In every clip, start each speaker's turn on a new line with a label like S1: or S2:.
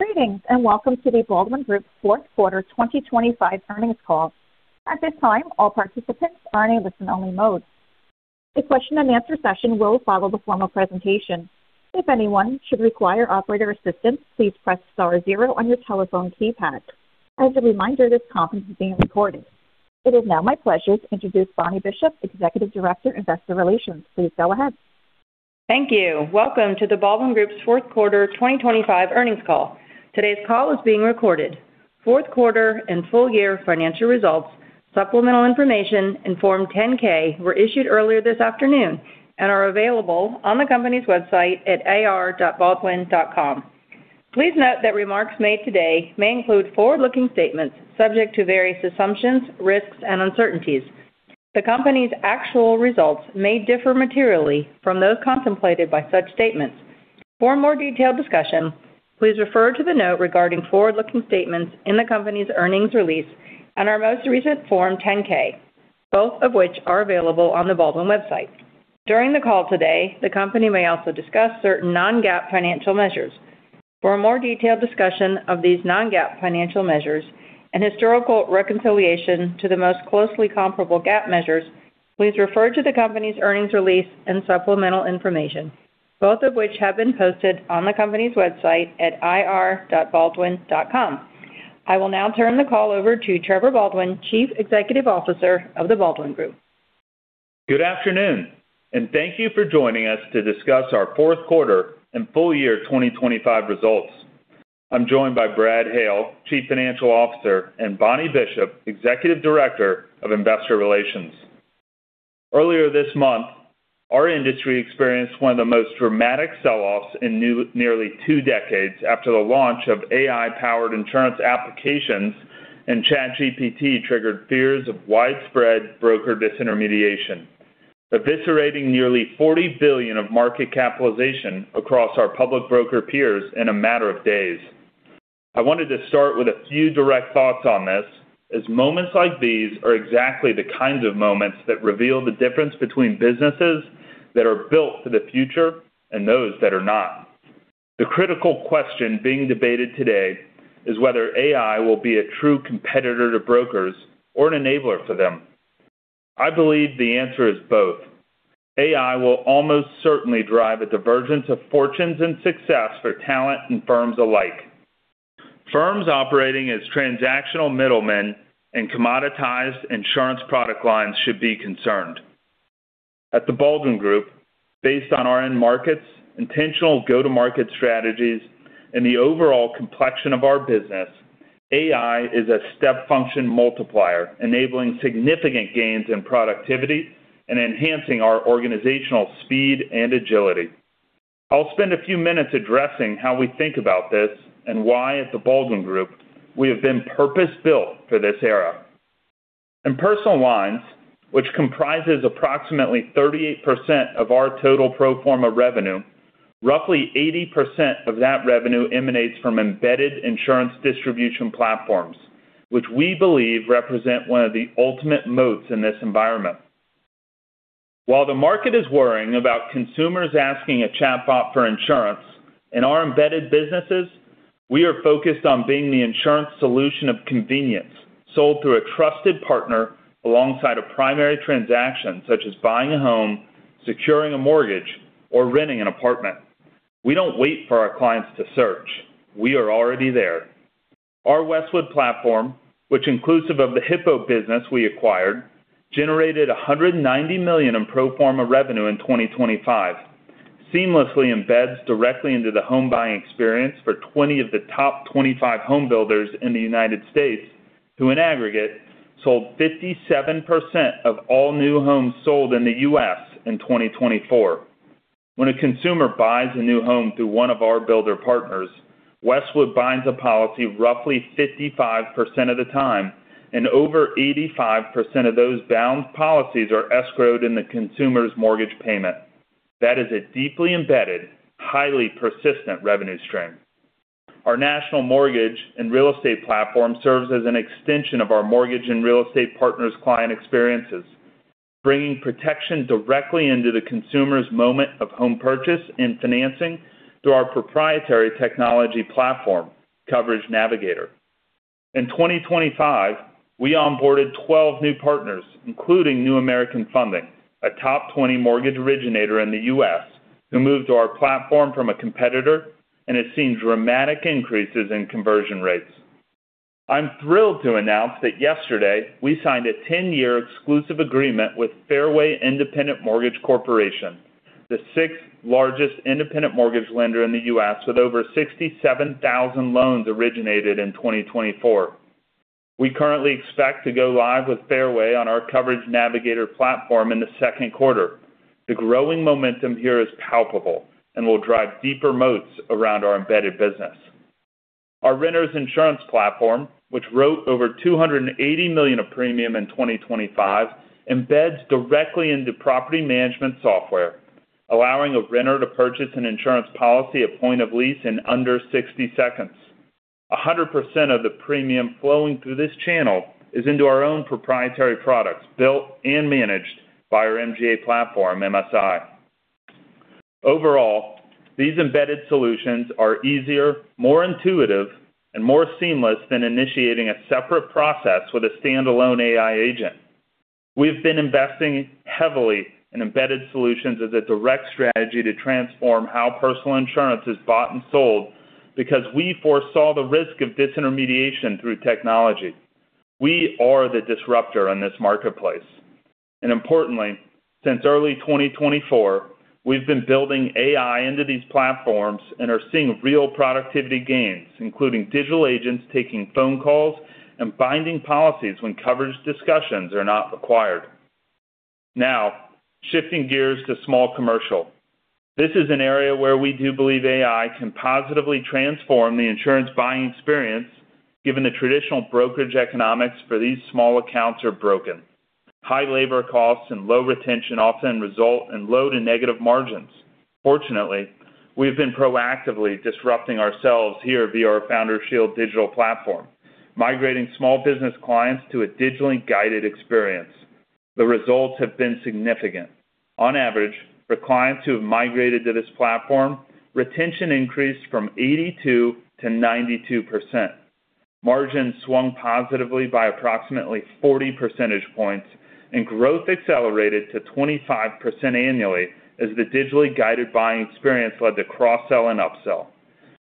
S1: Greetings, and welcome to the Baldwin Group's Fourth Quarter 2025 Earnings Call. At this time, all participants are in a listen-only mode. A question and answer session will follow the formal presentation. If anyone should require operator assistance, please press star zero on your telephone keypad. As a reminder, this conference is being recorded. It is now my pleasure to introduce Bonnie Bishop, Executive Director, Investor Relations. Please go ahead.
S2: Thank you. Welcome to the Baldwin Group's Fourth Quarter 2025 Earnings Call. Today's call is being recorded. Fourth quarter and full year financial results, supplemental information and Form 10-K were issued earlier this afternoon and are available on the company's website at ir.baldwin.com. Please note that remarks made today may include forward-looking statements subject to various assumptions, risks and uncertainties. The company's actual results may differ materially from those contemplated by such statements. For a more detailed discussion, please refer to the note regarding forward-looking statements in the company's earnings release and our most recent Form 10-K, both of which are available on the Baldwin website. During the call today, the company may also discuss certain non-GAAP financial measures. For a more detailed discussion of these non-GAAP financial measures and historical reconciliation to the most closely comparable GAAP measures, please refer to the company's earnings release and supplemental information, both of which have been posted on the company's website at ir.baldwin.com. I will now turn the call over to Trevor Baldwin, Chief Executive Officer of The Baldwin Group.
S3: Good afternoon. Thank you for joining us to discuss our fourth quarter and full year 2025 results. I'm joined by Brad Hale, Chief Financial Officer, and Bonnie Bishop, Executive Director of Investor Relations. Earlier this month, our industry experienced one of the most dramatic sell-offs in nearly two decades after the launch of AI-powered insurance applications and ChatGPT triggered fears of widespread broker disintermediation, eviscerating nearly $40 billion of market capitalization across our public broker peers in a matter of days. I wanted to start with a few direct thoughts on this, as moments like these are exactly the kinds of moments that reveal the difference between businesses that are built for the future and those that are not. The critical question being debated today is whether AI will be a true competitor to brokers or an enabler for them. I believe the answer is both. AI will almost certainly drive a divergence of fortunes and success for talent and firms alike. Firms operating as transactional middlemen and commoditized insurance product lines should be concerned. At The Baldwin Group, based on our end markets, intentional go-to-market strategies, and the overall complexion of our business, AI is a step function multiplier, enabling significant gains in productivity and enhancing our organizational speed and agility. I'll spend a few minutes addressing how we think about this and why at The Baldwin Group we have been purpose-built for this era. In personal lines, which comprises approximately 38% of our total pro forma revenue, roughly 80% of that revenue emanates from Embedded Insurance distribution platforms, which we believe represent one of the ultimate moats in this environment. While the market is worrying about consumers asking a chatbot for insurance, in our Embedded businesses, we are focused on being the insurance solution of convenience sold through a trusted partner alongside a primary transaction, such as buying a home, securing a mortgage, or renting an apartment. We don't wait for our clients to search. We are already there. Our Westwood platform, which inclusive of the Hippo business we acquired, generated $190 million in pro forma revenue in 2025, seamlessly embeds directly into the home buying experience for 20 of the top 25 home builders in the United States, who in aggregate sold 57% of all new homes sold in the U.S. in 2024. When a consumer buys a new home through one of our builder partners, Westwood binds a policy roughly 55% of the time and over 85% of those bound policies are escrowed in the consumer's mortgage payment. That is a deeply embedded, highly persistent revenue stream. Our national mortgage and real estate platform serves as an extension of our mortgage and real estate partners' client experiences, bringing protection directly into the consumer's moment of home purchase and financing through our proprietary technology platform, Coverage Navigator. In 2025, we onboarded 12 new partners, including New American Funding, a top 20 mortgage originator in the U.S., who moved to our platform from a competitor and has seen dramatic increases in conversion rates. I'm thrilled to announce that yesterday we signed a 10-year exclusive agreement with Fairway Independent Mortgage Corporation, the sixth largest independent mortgage lender in the U.S. with over 67,000 loans originated in 2024. We currently expect to go live with Fairway on our Coverage Navigator platform in the second quarter. The growing momentum here is palpable and will drive deeper moats around our Embedded business. Our renters insurance platform, which wrote over $280 million of premium in 2025, embeds directly into property management software, allowing a renter to purchase an insurance policy at point of lease in under 60 seconds. 100% of the premium flowing through this channel is into our own proprietary products, built and managed by our MGA platform, MSI. Overall, these Embedded solutions are easier, more intuitive, and more seamless than initiating a separate process with a standalone AI agent. We've been investing heavily in Embedded solutions as a direct strategy to transform how personal insurance is bought and sold, because we foresaw the risk of disintermediation through technology. We are the disruptor in this marketplace, and importantly, since early 2024, we've been building AI into these platforms and are seeing real productivity gains, including digital agents taking phone calls and binding policies when coverage discussions are not required. Now, shifting gears to small commercial. This is an area where we do believe AI can positively transform the insurance buying experience, given the traditional brokerage economics for these small accounts are broken. High labor costs and low retention often result in low to negative margins. Fortunately, we've been proactively disrupting ourselves here via our Founder Shield digital platform, migrating small business clients to a digitally guided experience. The results have been significant. On average, for clients who have migrated to this platform, retention increased from 82% to 92%. Margins swung positively by approximately 40 percentage points, and growth accelerated to 25% annually as the digitally guided buying experience led to cross-sell and upsell.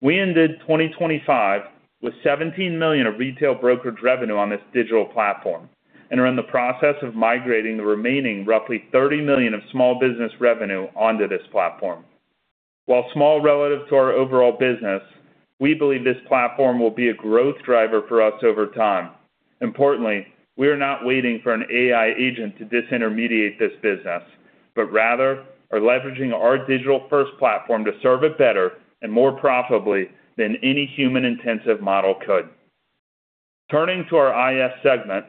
S3: We ended 2025 with $17 million of retail brokerage revenue on this digital platform, and are in the process of migrating the remaining roughly $30 million of small business revenue onto this platform. While small relative to our overall business, we believe this platform will be a growth driver for us over time. Importantly, we are not waiting for an AI agent to disintermediate this business, but rather are leveraging our digital-first platform to serve it better and more profitably than any human-intensive model could. Turning to our IAS segment,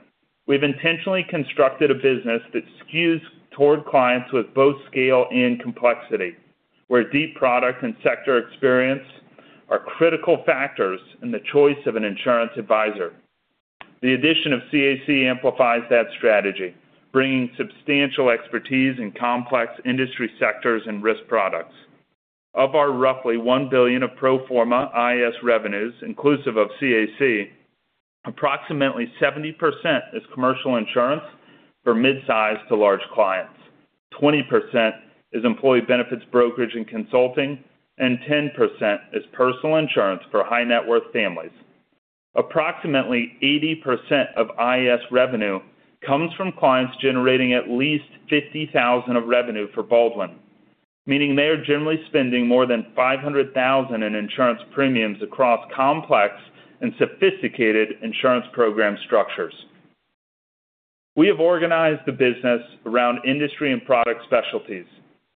S3: we've intentionally constructed a business that skews toward clients with both scale and complexity, where deep product and sector experience are critical factors in the choice of an insurance advisor. The addition of CAC amplifies that strategy, bringing substantial expertise in complex industry sectors and risk products. Of our roughly $1 billion of pro forma IAS revenues, inclusive of CAC, approximately 70% is commercial insurance for mid-size to large clients, 20% is employee benefits brokerage and consulting, and 10% is personal insurance for high-net-worth families. Approximately 80% of IAS revenue comes from clients generating at least $50,000 of revenue for Baldwin, meaning they are generally spending more than $500,000 in insurance premiums across complex and sophisticated insurance program structures. We have organized the business around industry and product specialties,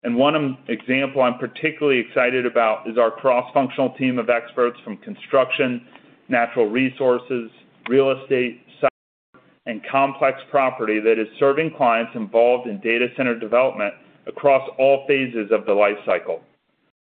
S3: and one example I'm particularly excited about is our cross-functional team of experts from construction, natural resources, real estate, cyber, and complex property that is serving clients involved in data center development across all phases of the life cycle.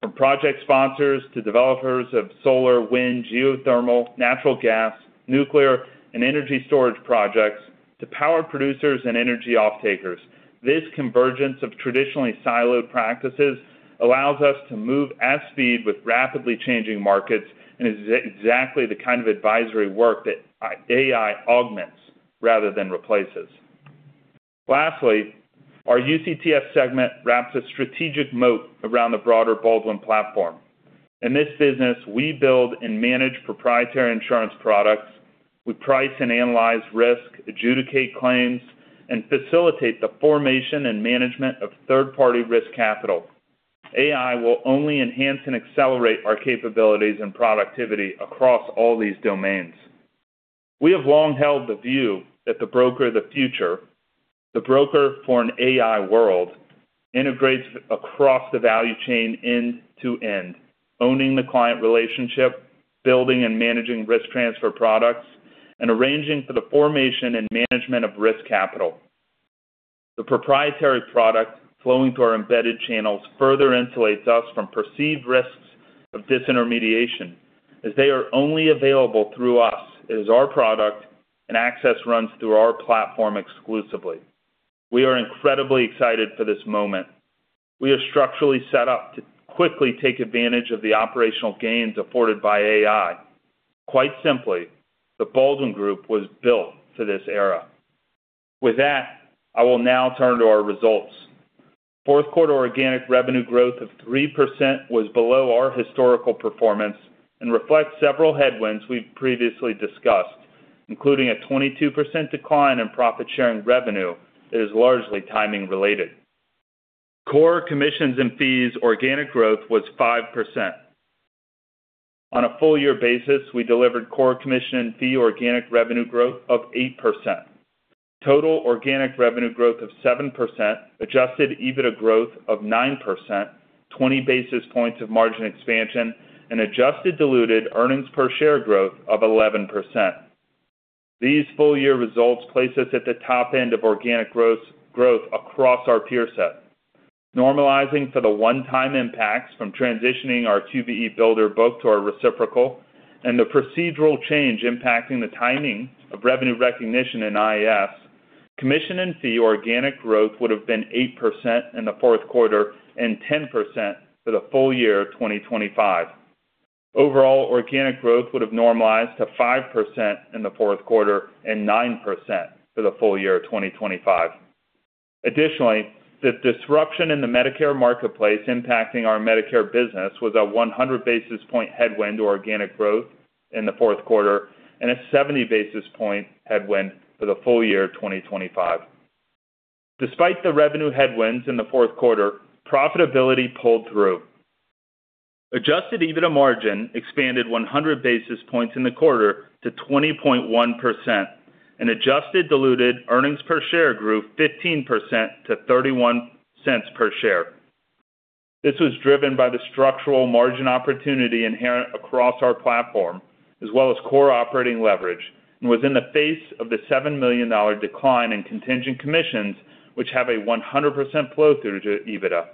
S3: From project sponsors to developers of solar, wind, geothermal, natural gas, nuclear, and energy storage projects to power producers and energy off-takers. This convergence of traditionally siloed practices allows us to move at speed with rapidly changing markets, and is exactly the kind of advisory work that AI augments rather than replaces. Lastly, our UCTS segment wraps a strategic moat around the broader Baldwin platform. In this business, we build and manage proprietary insurance products. We price and analyze risk, adjudicate claims, and facilitate the formation and management of third-party risk capital. AI will only enhance and accelerate our capabilities and productivity across all these domains. We have long held the view that the broker of the future, the broker for an AI world, integrates across the value chain end to end, owning the client relationship, building and managing risk transfer products, and arranging for the formation and management of risk capital. The proprietary product flowing through our embedded channels further insulates us from perceived risks of disintermediation, as they are only available through us. It is our product, and access runs through our platform exclusively. We are incredibly excited for this moment. We are structurally set up to quickly take advantage of the operational gains afforded by AI. Quite simply, the Baldwin Group was built for this era. With that, I will now turn to our results. Fourth quarter organic revenue growth of 3% was below our historical performance and reflects several headwinds we've previously discussed, including a 22% decline in profit-sharing revenue that is largely timing-related. Core commissions and fees organic growth was 5%. On a full year basis, we delivered core commission and fee organic revenue growth of 8%, total organic revenue growth of 7%, adjusted EBITDA growth of 9%, 20 basis points of margin expansion, and adjusted diluted earnings per share growth of 11%. These full year results place us at the top end of organic gross growth across our peer set. Normalizing for the one-time impacts from transitioning our QBE builder book to our reciprocal and the procedural change impacting the timing of revenue recognition in IAS, commission and fee organic growth would have been 8% in the fourth quarter and 10% for the full year 2025. Overall, organic growth would have normalized to 5% in the fourth quarter and 9% for the full year 2025. The disruption in the Medicare marketplace impacting our Medicare business was a 100 basis point headwind to organic growth in the fourth quarter and a 70 basis point headwind for the full year 2025. Despite the revenue headwinds in the fourth quarter, profitability pulled through. Adjusted EBITDA margin expanded 100 basis points in the quarter to 20.1%. Adjusted diluted earnings per share grew 15% to $0.31 per share. This was driven by the structural margin opportunity inherent across our platform as well as core operating leverage, and was in the face of the $7 million decline in contingent commissions, which have a 100% flow through to EBITDA.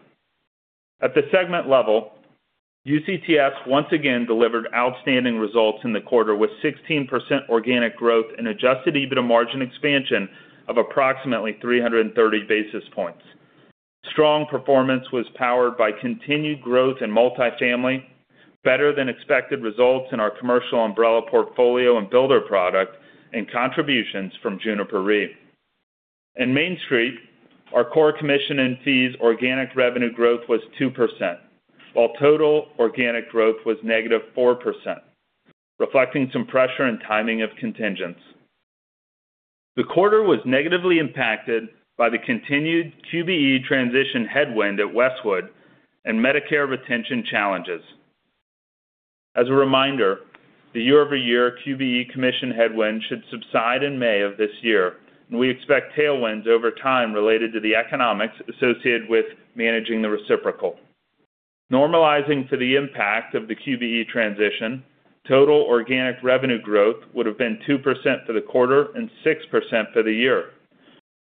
S3: At the segment level, UCTS once again delivered outstanding results in the quarter with 16% organic growth and adjusted EBITDA margin expansion of approximately 330 basis points. Strong performance was powered by continued growth in multifamily better than expected results in our commercial umbrella portfolio and builder product and contributions from Juniper Re. In Main Street, our core commission and fees organic revenue growth was 2%, while total organic growth was negative 4%, reflecting some pressure and timing of contingents. The quarter was negatively impacted by the continued QBE transition headwind at Westwood and Medicare retention challenges. As a reminder, the year-over-year QBE commission headwind should subside in May of this year, and we expect tailwinds over time related to the economics associated with managing the reciprocal. Normalizing to the impact of the QBE transition, total organic revenue growth would have been 2% for the quarter and 6% for the year.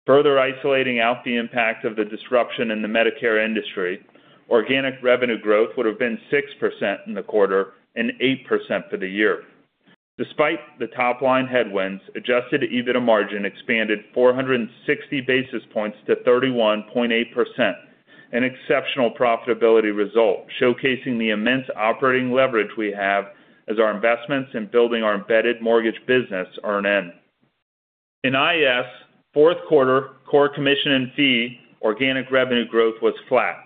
S3: Further isolating out the impact of the disruption in the Medicare industry, organic revenue growth would have been 6% in the quarter and 8% for the year. Despite the top-line headwinds, adjusted EBITDA margin expanded 460 basis points to 31.8%, an exceptional profitability result showcasing the immense operating leverage we have as our investments in building our embedded mortgage business earn in. In IAS, fourth quarter core commission and fee organic revenue growth was flat,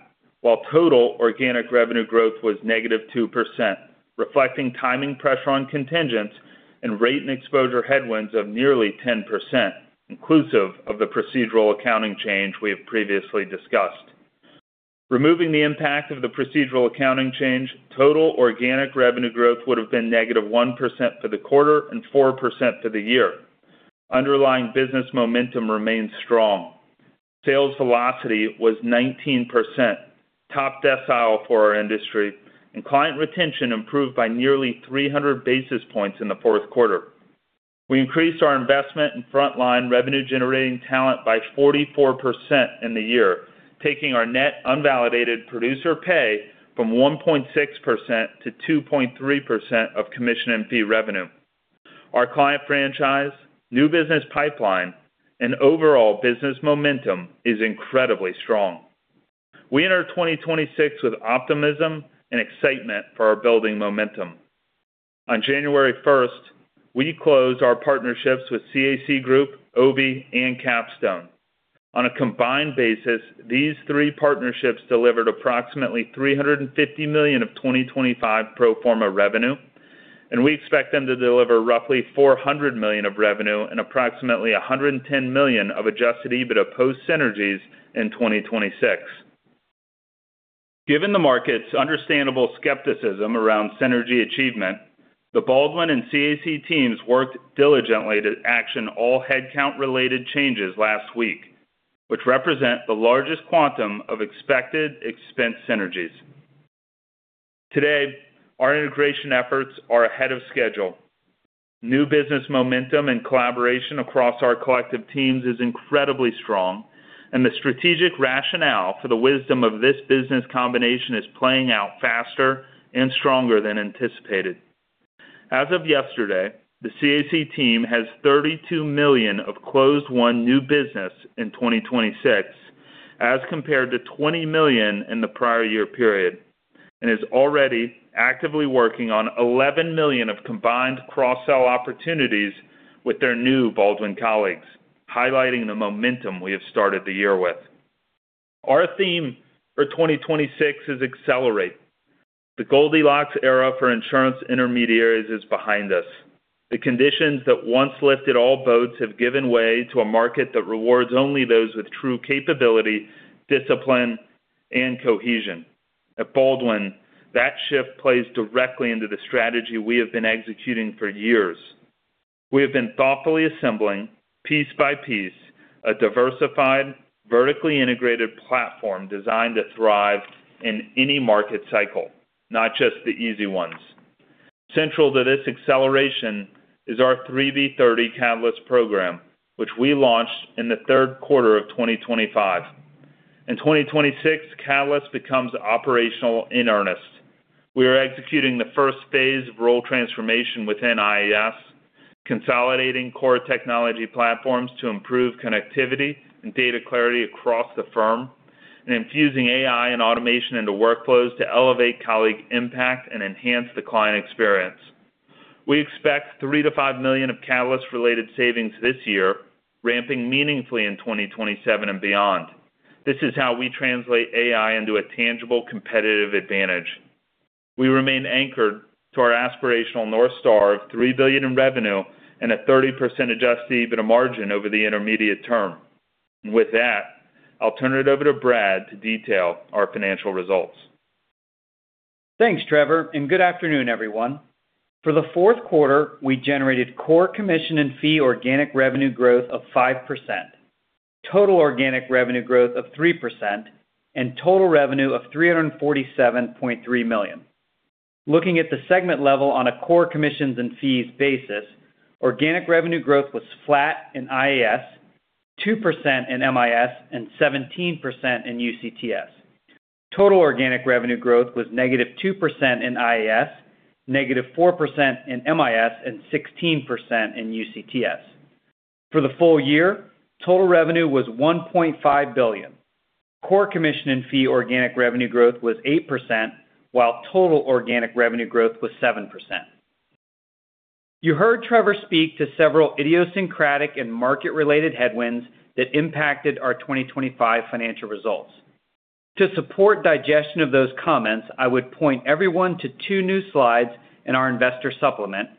S3: while total organic revenue growth was -2%, reflecting timing pressure on contingents and rate and exposure headwinds of nearly 10%, inclusive of the procedural accounting change we have previously discussed. Removing the impact of the procedural accounting change, total organic revenue growth would have been -1% for the quarter and 4% for the year. Underlying business momentum remains strong. Sales velocity was 19%, top decile for our industry, and client retention improved by nearly 300 basis points in the fourth quarter. We increased our investment in frontline revenue generating talent by 44% in the year, taking our net unvalidated producer pay from 1.6% to 2.3% of commission and fee revenue. Our client franchise, new business pipeline and overall business momentum is incredibly strong. We enter 2026 with optimism and excitement for our building momentum. On January 1st, we closed our partnerships with CAC Group, OBE, and Capstone. On a combined basis, these three partnerships delivered approximately $350 million of 2025 pro forma revenue, and we expect them to deliver roughly $400 million of revenue and approximately $110 million of adjusted EBITDA post synergies in 2026. Given the market's understandable skepticism around synergy achievement, the Baldwin and CAC teams worked diligently to action all headcount related changes last week, which represent the largest quantum of expected expense synergies. Today, our integration efforts are ahead of schedule. New business momentum and collaboration across our collective teams is incredibly strong and the strategic rationale for the wisdom of this business combination is playing out faster and stronger than anticipated. As of yesterday, the CAC team has $32 million of closed one new business in 2026 as compared to $20 million in the prior year period, and is already actively working on $11 million of combined cross-sell opportunities with their new Baldwin colleagues, highlighting the momentum we have started the year with. Our theme for 2026 is accelerate. The Goldilocks era for insurance intermediaries is behind us. The conditions that once lifted all boats have given way to a market that rewards only those with true capability, discipline, and cohesion. At Baldwin, that shift plays directly into the strategy we have been executing for years. We have been thoughtfully assembling piece by piece, a diversified, vertically integrated platform designed to thrive in any market cycle, not just the easy ones. Central to this acceleration is our 3B/30 Catalyst program, which we launched in the third quarter of 2025. In 2026, Catalyst becomes operational in earnest. We are executing the first phase of role transformation within IAS, consolidating core technology platforms to improve connectivity and data clarity across the firm, and infusing AI and automation into workflows to elevate colleague impact and enhance the client experience. We expect $3 million-$5 million of Catalyst-related savings this year, ramping meaningfully in 2027 and beyond. This is how we translate AI into a tangible competitive advantage. We remain anchored to our aspirational North Star of $3 billion in revenue and a 30% adjusted EBITDA margin over the intermediate term. With that, I'll turn it over to Brad to detail our financial results.
S4: Thanks, Trevor. Good afternoon, everyone. For the fourth quarter, we generated core commission and fee organic revenue growth of 5%, total organic revenue growth of 3%, and total revenue of $347.3 million. Looking at the segment level on a core commissions and fees basis, organic revenue growth was flat in IAS, 2% in MIS, and 17% in UCTS. Total organic revenue growth was -2% in IAS, -4% in MIS, and 16% in UCTS. For the full year, total revenue was $1.5 billion. Core commission and fee organic revenue growth was 8%, while total organic revenue growth was 7%. You heard Trevor speak to several idiosyncratic and market-related headwinds that impacted our 2025 financial results. To support digestion of those comments, I would point everyone to two new slides in our investor supplement,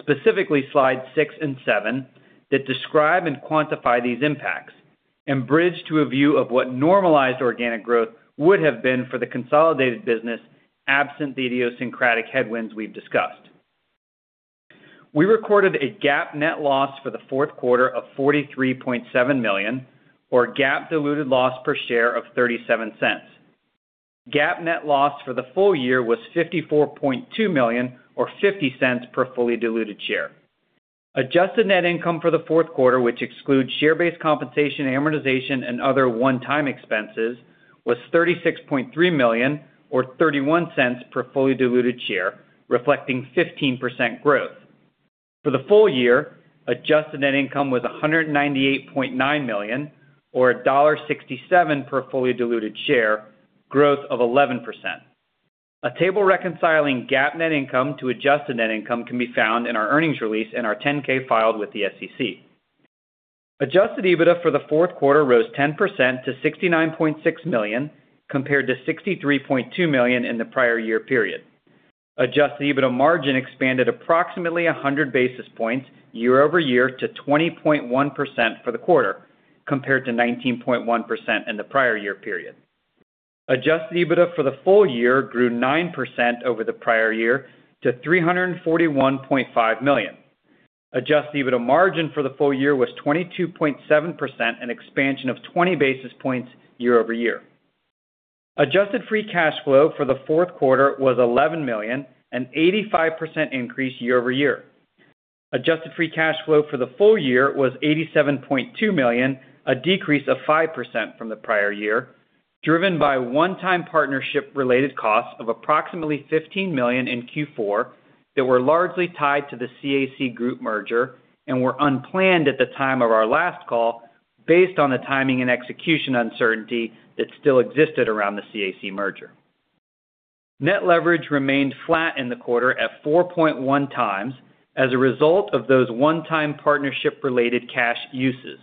S4: specifically slides six and seven, that describe and quantify these impacts, and bridge to a view of what normalized organic growth would have been for the consolidated business, absent the idiosyncratic headwinds we've discussed. We recorded a GAAP net loss for the fourth quarter of $43.7 million, or GAAP diluted loss per share of $0.37. GAAP net loss for the full year was $54.2 million, or $0.50 for fully diluted share. Adjusted net income for the fourth quarter, which excludes share-based compensation, amortization, and other one-time expenses, was $36.3 million, or $0.31 per fully diluted share, reflecting 15% growth. For the full year, adjusted net income was $198.9 million, or $1.67 per fully diluted share, growth of 11%. A table reconciling GAAP net income to adjusted net income can be found in our earnings release and our 10-K filed with the SEC. Adjusted EBITDA for the fourth quarter rose 10% to $69.6 million, compared to $63.2 million in the prior year period. Adjusted EBITDA margin expanded approximately 100 basis points year-over-year to 20.1% for the quarter, compared to 19.1% in the prior year period. Adjusted EBITDA for the full year grew 9% over the prior year to $341.5 million. Adjusted EBITDA margin for the full year was 22.7%, an expansion of 20 basis points year-over-year. Adjusted free cash flow for the fourth quarter was $11 million, an 85% increase year-over-year. Adjusted free cash flow for the full year was $87.2 million, a decrease of 5% from the prior year, driven by one-time partnership-related costs of approximately $15 million in Q4, that were largely tied to the CAC Group merger and were unplanned at the time of our last call, based on the timing and execution uncertainty that still existed around the CAC Group merger. Net leverage remained flat in the quarter at 4.1x as a result of those one-time partnership-related cash uses.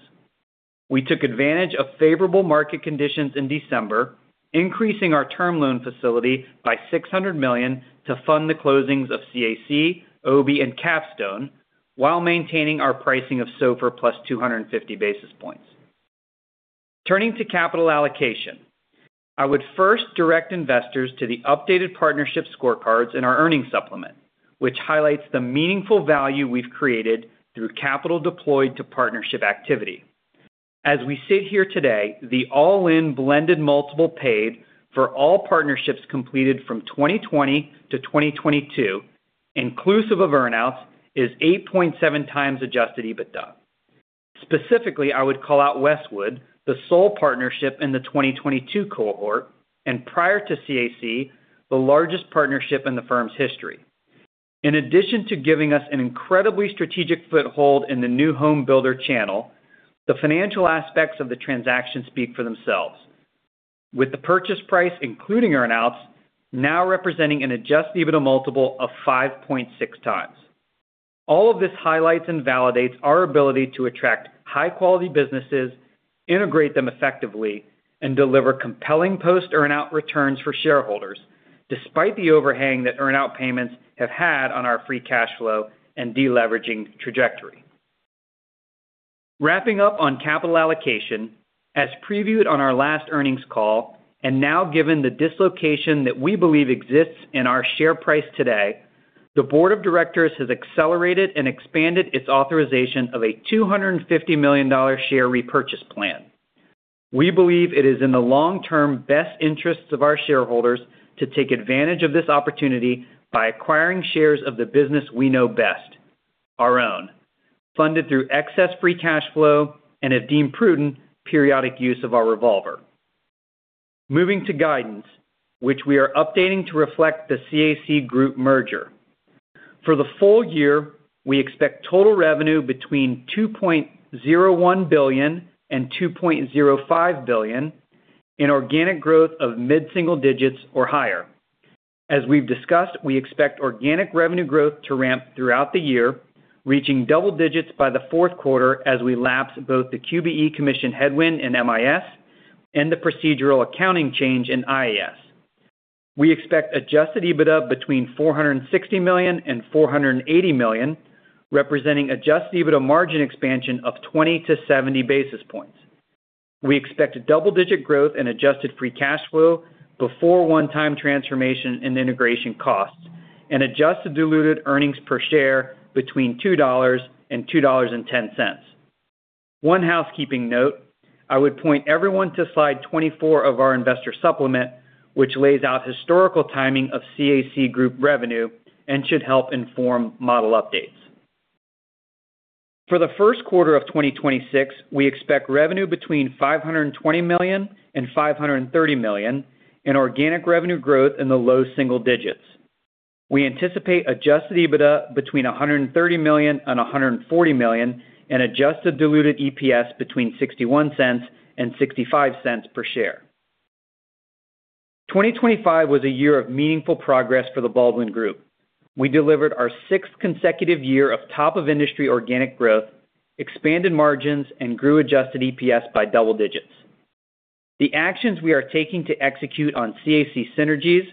S4: We took advantage of favorable market conditions in December, increasing our term loan facility by $600 million to fund the closings of CAC, OBE, and Capstone, while maintaining our pricing of SOFR plus 250 basis points. Turning to capital allocation. I would first direct investors to the updated partnership scorecards in our earnings supplement, which highlights the meaningful value we've created through capital deployed to partnership activity. As we sit here today, the all-in blended multiple paid for all partnerships completed from 2020 to 2022, inclusive of earn-outs, is 8.7x adjusted EBITDA. Specifically, I would call out Westwood, the sole partnership in the 2022 cohort, and prior to CAC, the largest partnership in the firm's history. In addition to giving us an incredibly strategic foothold in the new home builder channel, the financial aspects of the transaction speak for themselves. With the purchase price, including earn-outs, now representing an adjusted EBITDA multiple of 5.6x. All of this highlights and validates our ability to attract high-quality businesses, integrate them effectively, and deliver compelling post-earn-out returns for shareholders, despite the overhang that earn-out payments have had on our free cash flow and deleveraging trajectory. Wrapping up on capital allocation, as previewed on our last earnings call, and now, given the dislocation that we believe exists in our share price today, The Board of Directors has accelerated and expanded its authorization of a $250 million share repurchase plan. We believe it is in the long-term best interests of our shareholders to take advantage of this opportunity by acquiring shares of the business we know best, our own, funded through excess free cash flow and, if deemed prudent, periodic use of our revolver. Moving to guidance, which we are updating to reflect the CAC Group merger. For the full year, we expect total revenue between $2.01 billion and $2.05 billion in organic growth of mid-single digits or higher. As we've discussed, we expect organic revenue growth to ramp throughout the year, reaching double digits by the fourth quarter as we lapse both the QBE commission headwind in MIS and the procedural accounting change in IAS. We expect adjusted EBITDA between $460 million and $480 million, representing adjusted EBITDA margin expansion of 20-70 basis points. We expect a double-digit growth in adjusted free cash flow before one-time transformation and integration costs, and adjusted diluted EPS between $2 and $2.10. One housekeeping note: I would point everyone to slide 24 of our investor supplement, which lays out historical timing of CAC Group revenue and should help inform model updates. For the first quarter of 2026, we expect revenue between $520 million and $530 million in organic revenue growth in the low single digits. We anticipate adjusted EBITDA between $130 million and $140 million, and adjusted diluted EPS between $0.61 and $0.65 per share. 2025 was a year of meaningful progress for the Baldwin Group. We delivered our sixth consecutive year of top of industry organic growth, expanded margins, and grew adjusted EPS by double digits. The actions we are taking to execute on CAC synergies,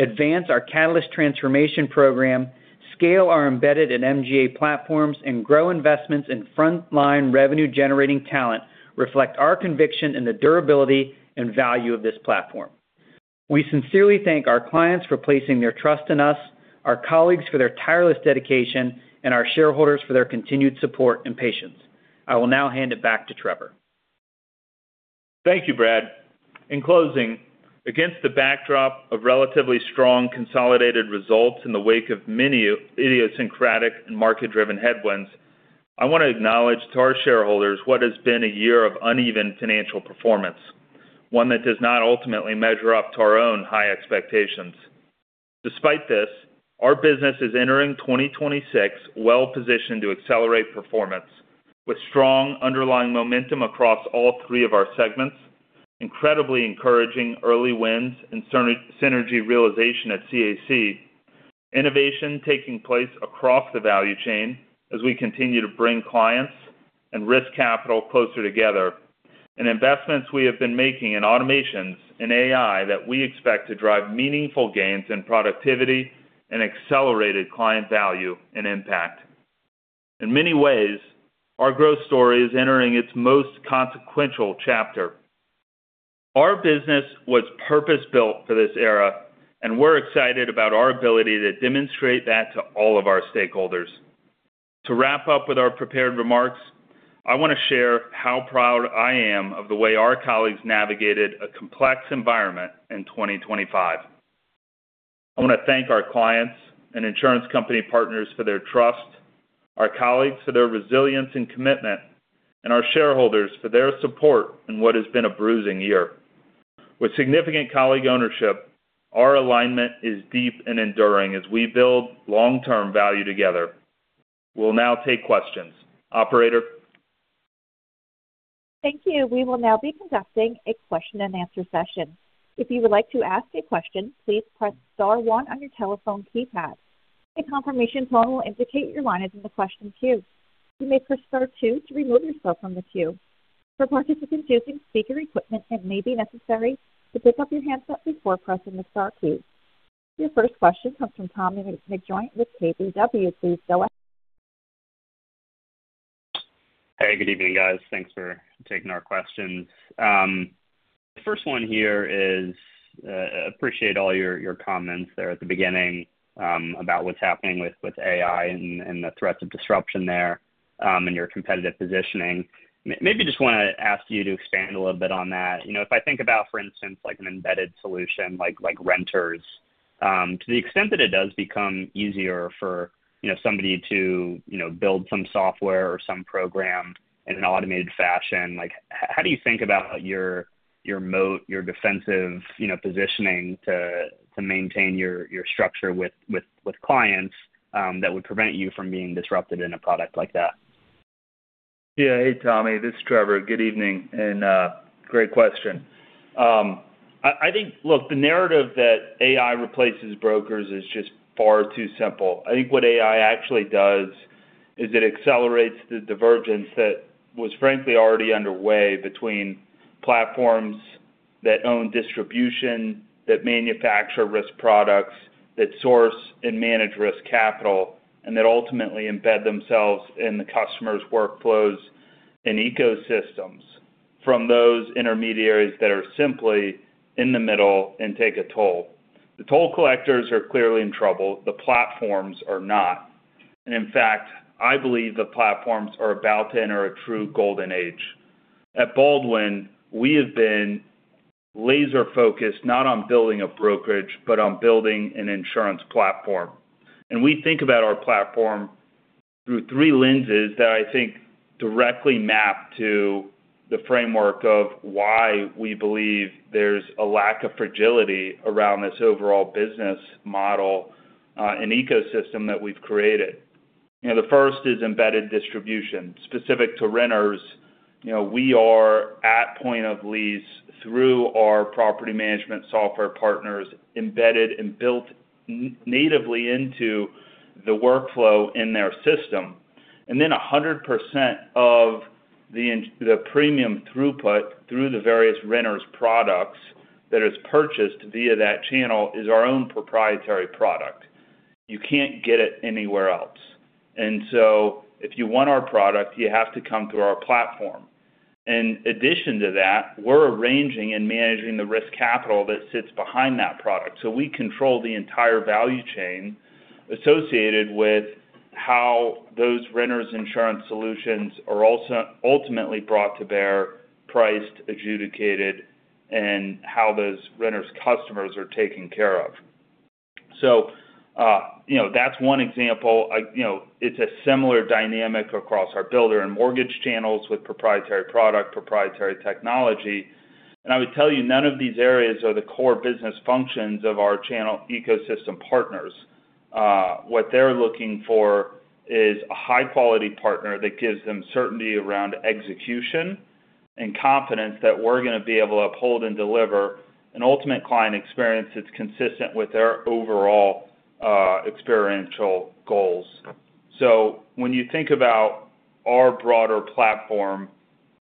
S4: advance our Catalyst transformation program, scale our embedded and MGA platforms, and grow investments in frontline revenue-generating talent reflect our conviction in the durability and value of this platform. We sincerely thank our clients for placing their trust in us, our colleagues for their tireless dedication, and our shareholders for their continued support and patience. I will now hand it back to Trevor.
S3: Thank you, Brad. In closing, against the backdrop of relatively strong consolidated results in the wake of many idiosyncratic and market-driven headwinds, I want to acknowledge to our shareholders what has been a year of uneven financial performance, one that does not ultimately measure up to our own high expectations. Despite this, our business is entering 2026 well positioned to accelerate performance with strong underlying momentum across all three of our segments, incredibly encouraging early wins and synergy realization at CAC, innovation taking place across the value chain as we continue to bring clients and risk capital closer together, and investments we have been making in automations and AI that we expect to drive meaningful gains in productivity and accelerated client value and impact. In many ways, our growth story is entering its most consequential chapter. Our business was purpose-built for this era, and we're excited about our ability to demonstrate that to all of our stakeholders. To wrap up with our prepared remarks, I want to share how proud I am of the way our colleagues navigated a complex environment in 2025. I want to thank our clients and insurance company partners for their trust, our colleagues for their resilience and commitment, and our shareholders for their support in what has been a bruising year. With significant colleague ownership, our alignment is deep and enduring as we build long-term value together. We'll now take questions. Operator?
S1: Thank you. We will now be conducting a question and answer session. If you would like to ask a question, please press star one on your telephone keypad. A confirmation tone will indicate your line is in the question queue. You may press star two to remove yourself from the queue. For participants using speaker equipment, it may be necessary to pick up your handset before pressing the star key. Your first question comes from Tommy McJoynt with KBW. Please go ahead.
S5: Hey, good evening, guys. Thanks for taking our questions. First one here is, appreciate all your comments there at the beginning about what's happening with AI and the threats of disruption there and your competitive positioning. Maybe just want to ask you to expand a little bit on that. You know, if I think about, for instance, like an embedded solution like renters, to the extent that it does become easier for, you know, somebody to, you know, build some software or some program in an automated fashion, like how do you think about your moat, your defensive, you know, positioning to maintain your structure with clients that would prevent you from being disrupted in a product like that?
S3: Yeah. Hey, Tommy, this is Trevor. Good evening and great question. I think, look, the narrative that AI replaces brokers is just far too simple. I think what AI actually does is it accelerates the divergence that was frankly already underway between platforms that own distribution, that manufacture risk products, that source and manage risk capital, and that ultimately embed themselves in the customer's workflows and ecosystems from those intermediaries that are simply in the middle and take a toll. The toll collectors are clearly in trouble, the platforms are not. In fact, I believe the platforms are about to enter a true golden age. At Baldwin, we have been laser-focused, not on building a brokerage, but on building an insurance platform. We think about our platform through three lenses that I think directly map to the framework of why we believe there's a lack of fragility around this overall business model and ecosystem that we've created. You know, the first is embedded distribution. Specific to renters, you know, we are at point of lease through our property management software partners, embedded and built natively into the workflow in their system. 100% of the premium throughput through the various renters products that is purchased via that channel is our own proprietary product. You can't get it anywhere else. If you want our product, you have to come through our platform. In addition to that, we're arranging and managing the risk capital that sits behind that product. We control the entire value chain associated with how those renters insurance solutions are ultimately brought to bear, priced, adjudicated, and how those renters customers are taken care of. You know, that's one example. You know, it's a similar dynamic across our builder and mortgage channels with proprietary product, proprietary technology. I would tell you, none of these areas are the core business functions of our channel ecosystem partners. What they're looking for is a high-quality partner that gives them certainty around execution, and confidence that we're gonna be able to uphold and deliver an ultimate client experience that's consistent with their overall experiential goals. When you think about our broader platform,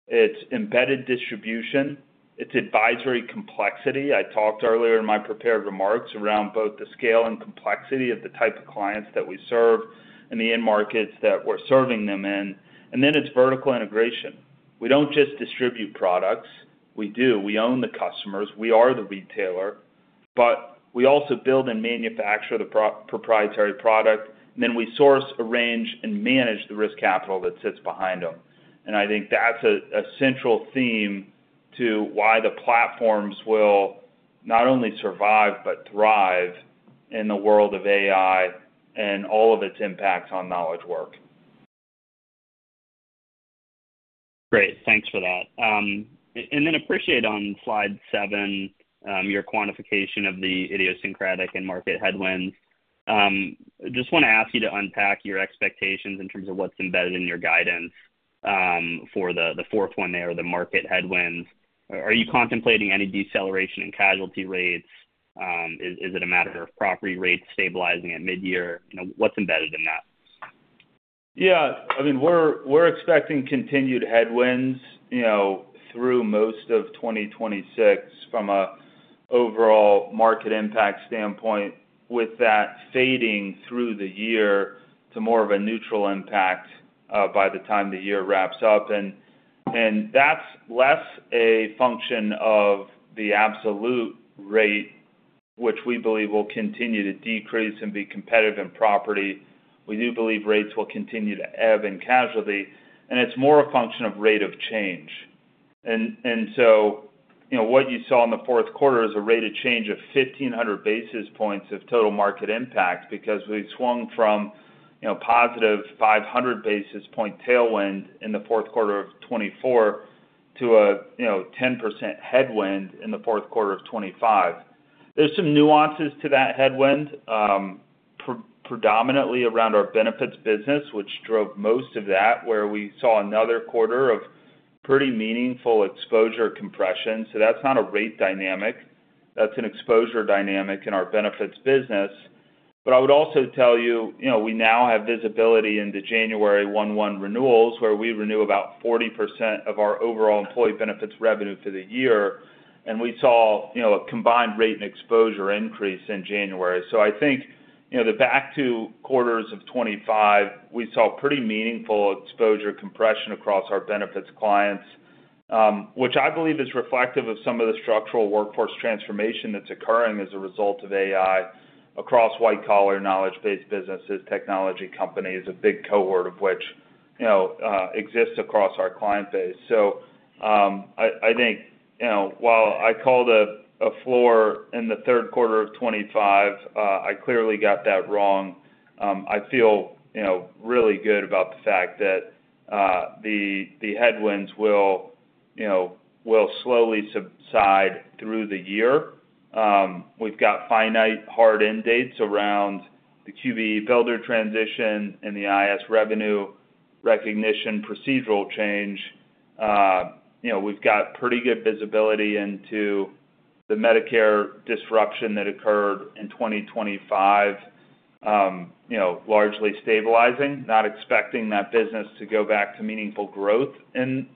S3: it's embedded distribution, it's advisory complexity. I talked earlier in my prepared remarks around both the scale and complexity of the type of clients that we serve and the end markets that we're serving them in. Then it's vertical integration. We don't just distribute products. We do. We own the customers. We are the retailer, but we also build and manufacture the proprietary product, and then we source, arrange, and manage the risk capital that sits behind them. I think that's a central theme to why the platforms will not only survive, but thrive in the world of AI and all of its impacts on knowledge work.
S5: Great. Thanks for that. Appreciate on slide seven, your quantification of the idiosyncratic and market headwinds. Just want to ask you to unpack your expectations in terms of what's embedded in your guidance, for the fourth one there, the market headwinds. Are you contemplating any deceleration in casualty rates? Is it a matter of property rates stabilizing at mid-year? You know, what's embedded in that?
S3: Yeah. I mean, we're expecting continued headwinds, you know, through most of 2026 from a overall market impact standpoint, with that fading through the year to more of a neutral impact by the time the year wraps up. That's less a function of the absolute rate, which we believe will continue to decrease and be competitive in property. We do believe rates will continue to ebb in casualty, and it's more a function of rate of change. You know, what you saw in the fourth quarter is a rate of change of 1,500 basis points of total market impact, because we'd swung from, you know, positive 500-basis point tailwind in the fourth quarter of 2024 to a, you know, 10% headwind in the fourth quarter of 2025. There's some nuances to that headwind, predominantly around our benefits business, which drove most of that, where we saw another quarter of pretty meaningful exposure compression. That's not a rate dynamic, that's an exposure dynamic in our benefits business. I would also tell you know, we now have visibility into January 01/01 renewals, where we renew about 40% of our overall employee benefits revenue for the year, and we saw, you know, a combined rate and exposure increase in January. I think, you know, the back two quarters of 2025, we saw pretty meaningful exposure compression across our benefits clients, which I believe is reflective of some of the structural workforce transformation that's occurring as a result of AI across white-collar, knowledge-based businesses, technology companies, a big cohort of which, you know, exists across our client base. I think, you know, while I called a floor in the third quarter of 2025, I clearly got that wrong. I feel, you know, really good about the fact that the headwinds will, you know, will slowly subside through the year. We've got finite hard end dates around the QBE builder transition and the IAS revenue recognition procedural change. You know, we've got pretty good visibility into the Medicare disruption that occurred in 2025, you know, largely stabilizing, not expecting that business to go back to meaningful growth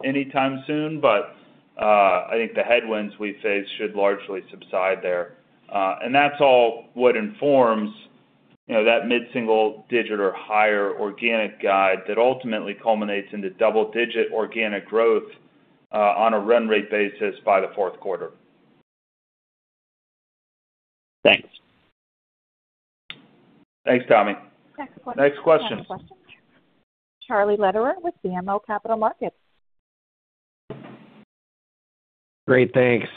S3: anytime soon, but I think the headwinds we face should largely subside there. And that's all what informs. You know, that mid-single digit or higher organic guide that ultimately culminates into double-digit organic growth on a run rate basis by the fourth quarter.
S5: Thanks.
S3: Thanks, Tommy.
S1: Next question.
S3: Next question.
S1: Next question. Charlie Lederer with BMO Capital Markets.
S6: Great. Thanks.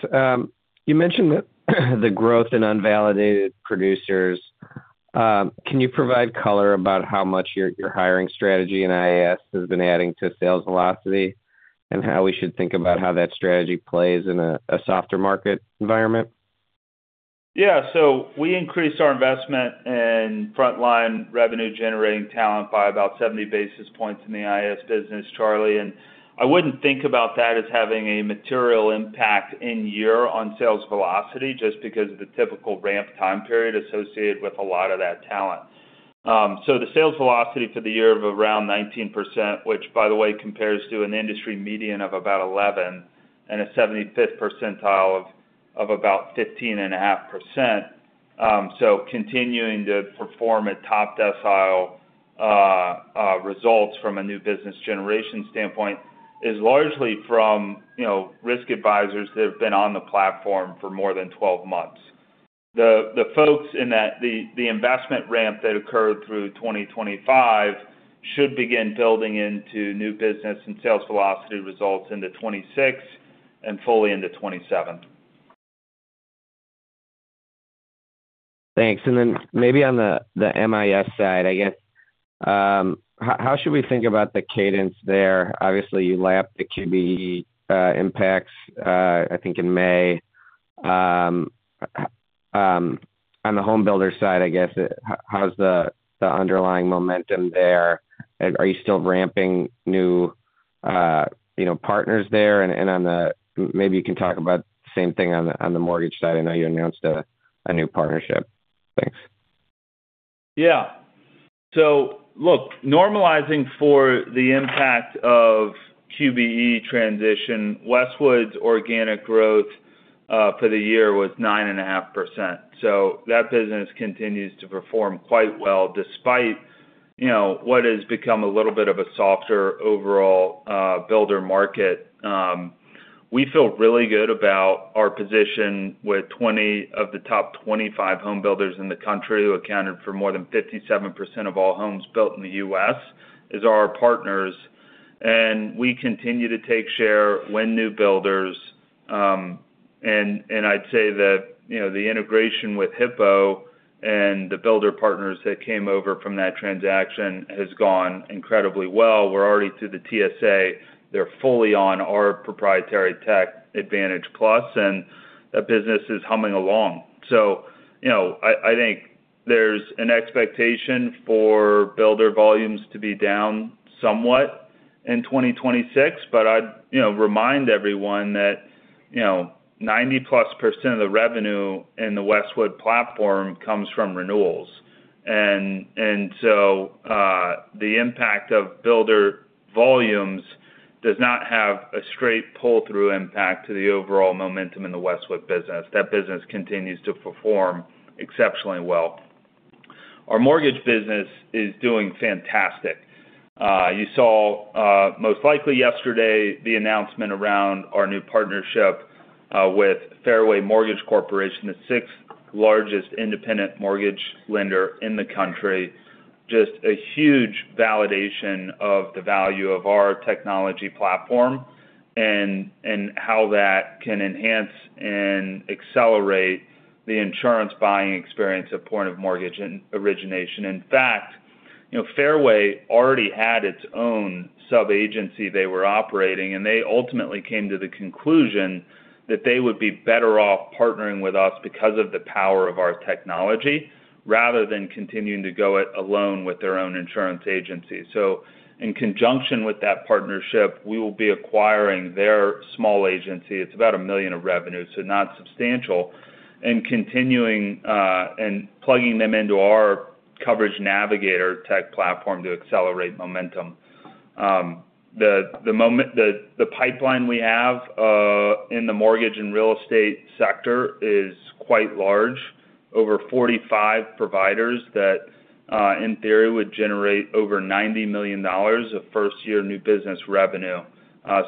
S6: You mentioned that the growth in unvalidated producers, can you provide color about how much your hiring strategy in IAS has been adding to sales velocity and how we should think about how that strategy plays in a softer market environment?
S3: We increased our investment in frontline revenue generating talent by about 70 basis points in the IAS business, Charlie. I wouldn't think about that as having a material impact in year on sales velocity just because of the typical ramp time period associated with a lot of that talent. The sales velocity for the year of around 19%, which by the way compares to an industry median of about 11 and a 75th percentile of about 15.5%. Continuing to perform at top decile results from a new business generation standpoint is largely from, you know, risk advisors that have been on the platform for more than 12 months. The investment ramp that occurred through 2025 should begin building into new business and sales velocity results into 2026 and fully into 2027.
S6: Thanks. Maybe on the MIS side, I guess, how should we think about the cadence there? Obviously, you lapped the QBE impacts, I think in May. On the home builder side, I guess, how's the underlying momentum there? Are you still ramping new, you know, partners there? Maybe you can talk about same thing on the mortgage side. I know you announced a new partnership. Thanks.
S3: Look, normalizing for the impact of QBE transition, Westwood's organic growth for the year was 9.5%. That business continues to perform quite well despite, you know, what has become a little bit of a softer overall builder market. We feel really good about our position with 20 of the top 25 home builders in the country who accounted for more than 57% of all homes built in the U.S. is our partners. We continue to take share when new builders, and I'd say that, you know, the integration with Hippo and the builder partners that came over from that transaction has gone incredibly well. We're already to the TSA. They're fully on our proprietary tech Advantage Plus, and that business is humming along. You know, I think there's an expectation for builder volumes to be down somewhat in 2026, but I'd, you know, remind everyone that, you know, 90+% of the revenue in the Westwood platform comes from renewals. The impact of builder volumes does not have a straight pull-through impact to the overall momentum in the Westwood business. That business continues to perform exceptionally well. Our mortgage business is doing fantastic. you saw most likely yesterday the announcement around our new partnership with Fairway Mortgage Corporation, the sixth largest independent mortgage lender in the country. Just a huge validation of the value of our technology platform and how that can enhance and accelerate the insurance buying experience at point of mortgage origination. In fact, you know, Fairway already had its own sub-agency they were operating, and they ultimately came to the conclusion that they would be better off partnering with us because of the power of our technology rather than continuing to go it alone with their own insurance agency. In conjunction with that partnership, we will be acquiring their small agency. It's about $1 million of revenue, so not substantial, and continuing and plugging them into our Coverage Navigator tech platform to accelerate momentum. The pipeline we have in the mortgage and real estate sector is quite large. Over 45 providers that, in theory, would generate over $90 million of first-year new business revenue.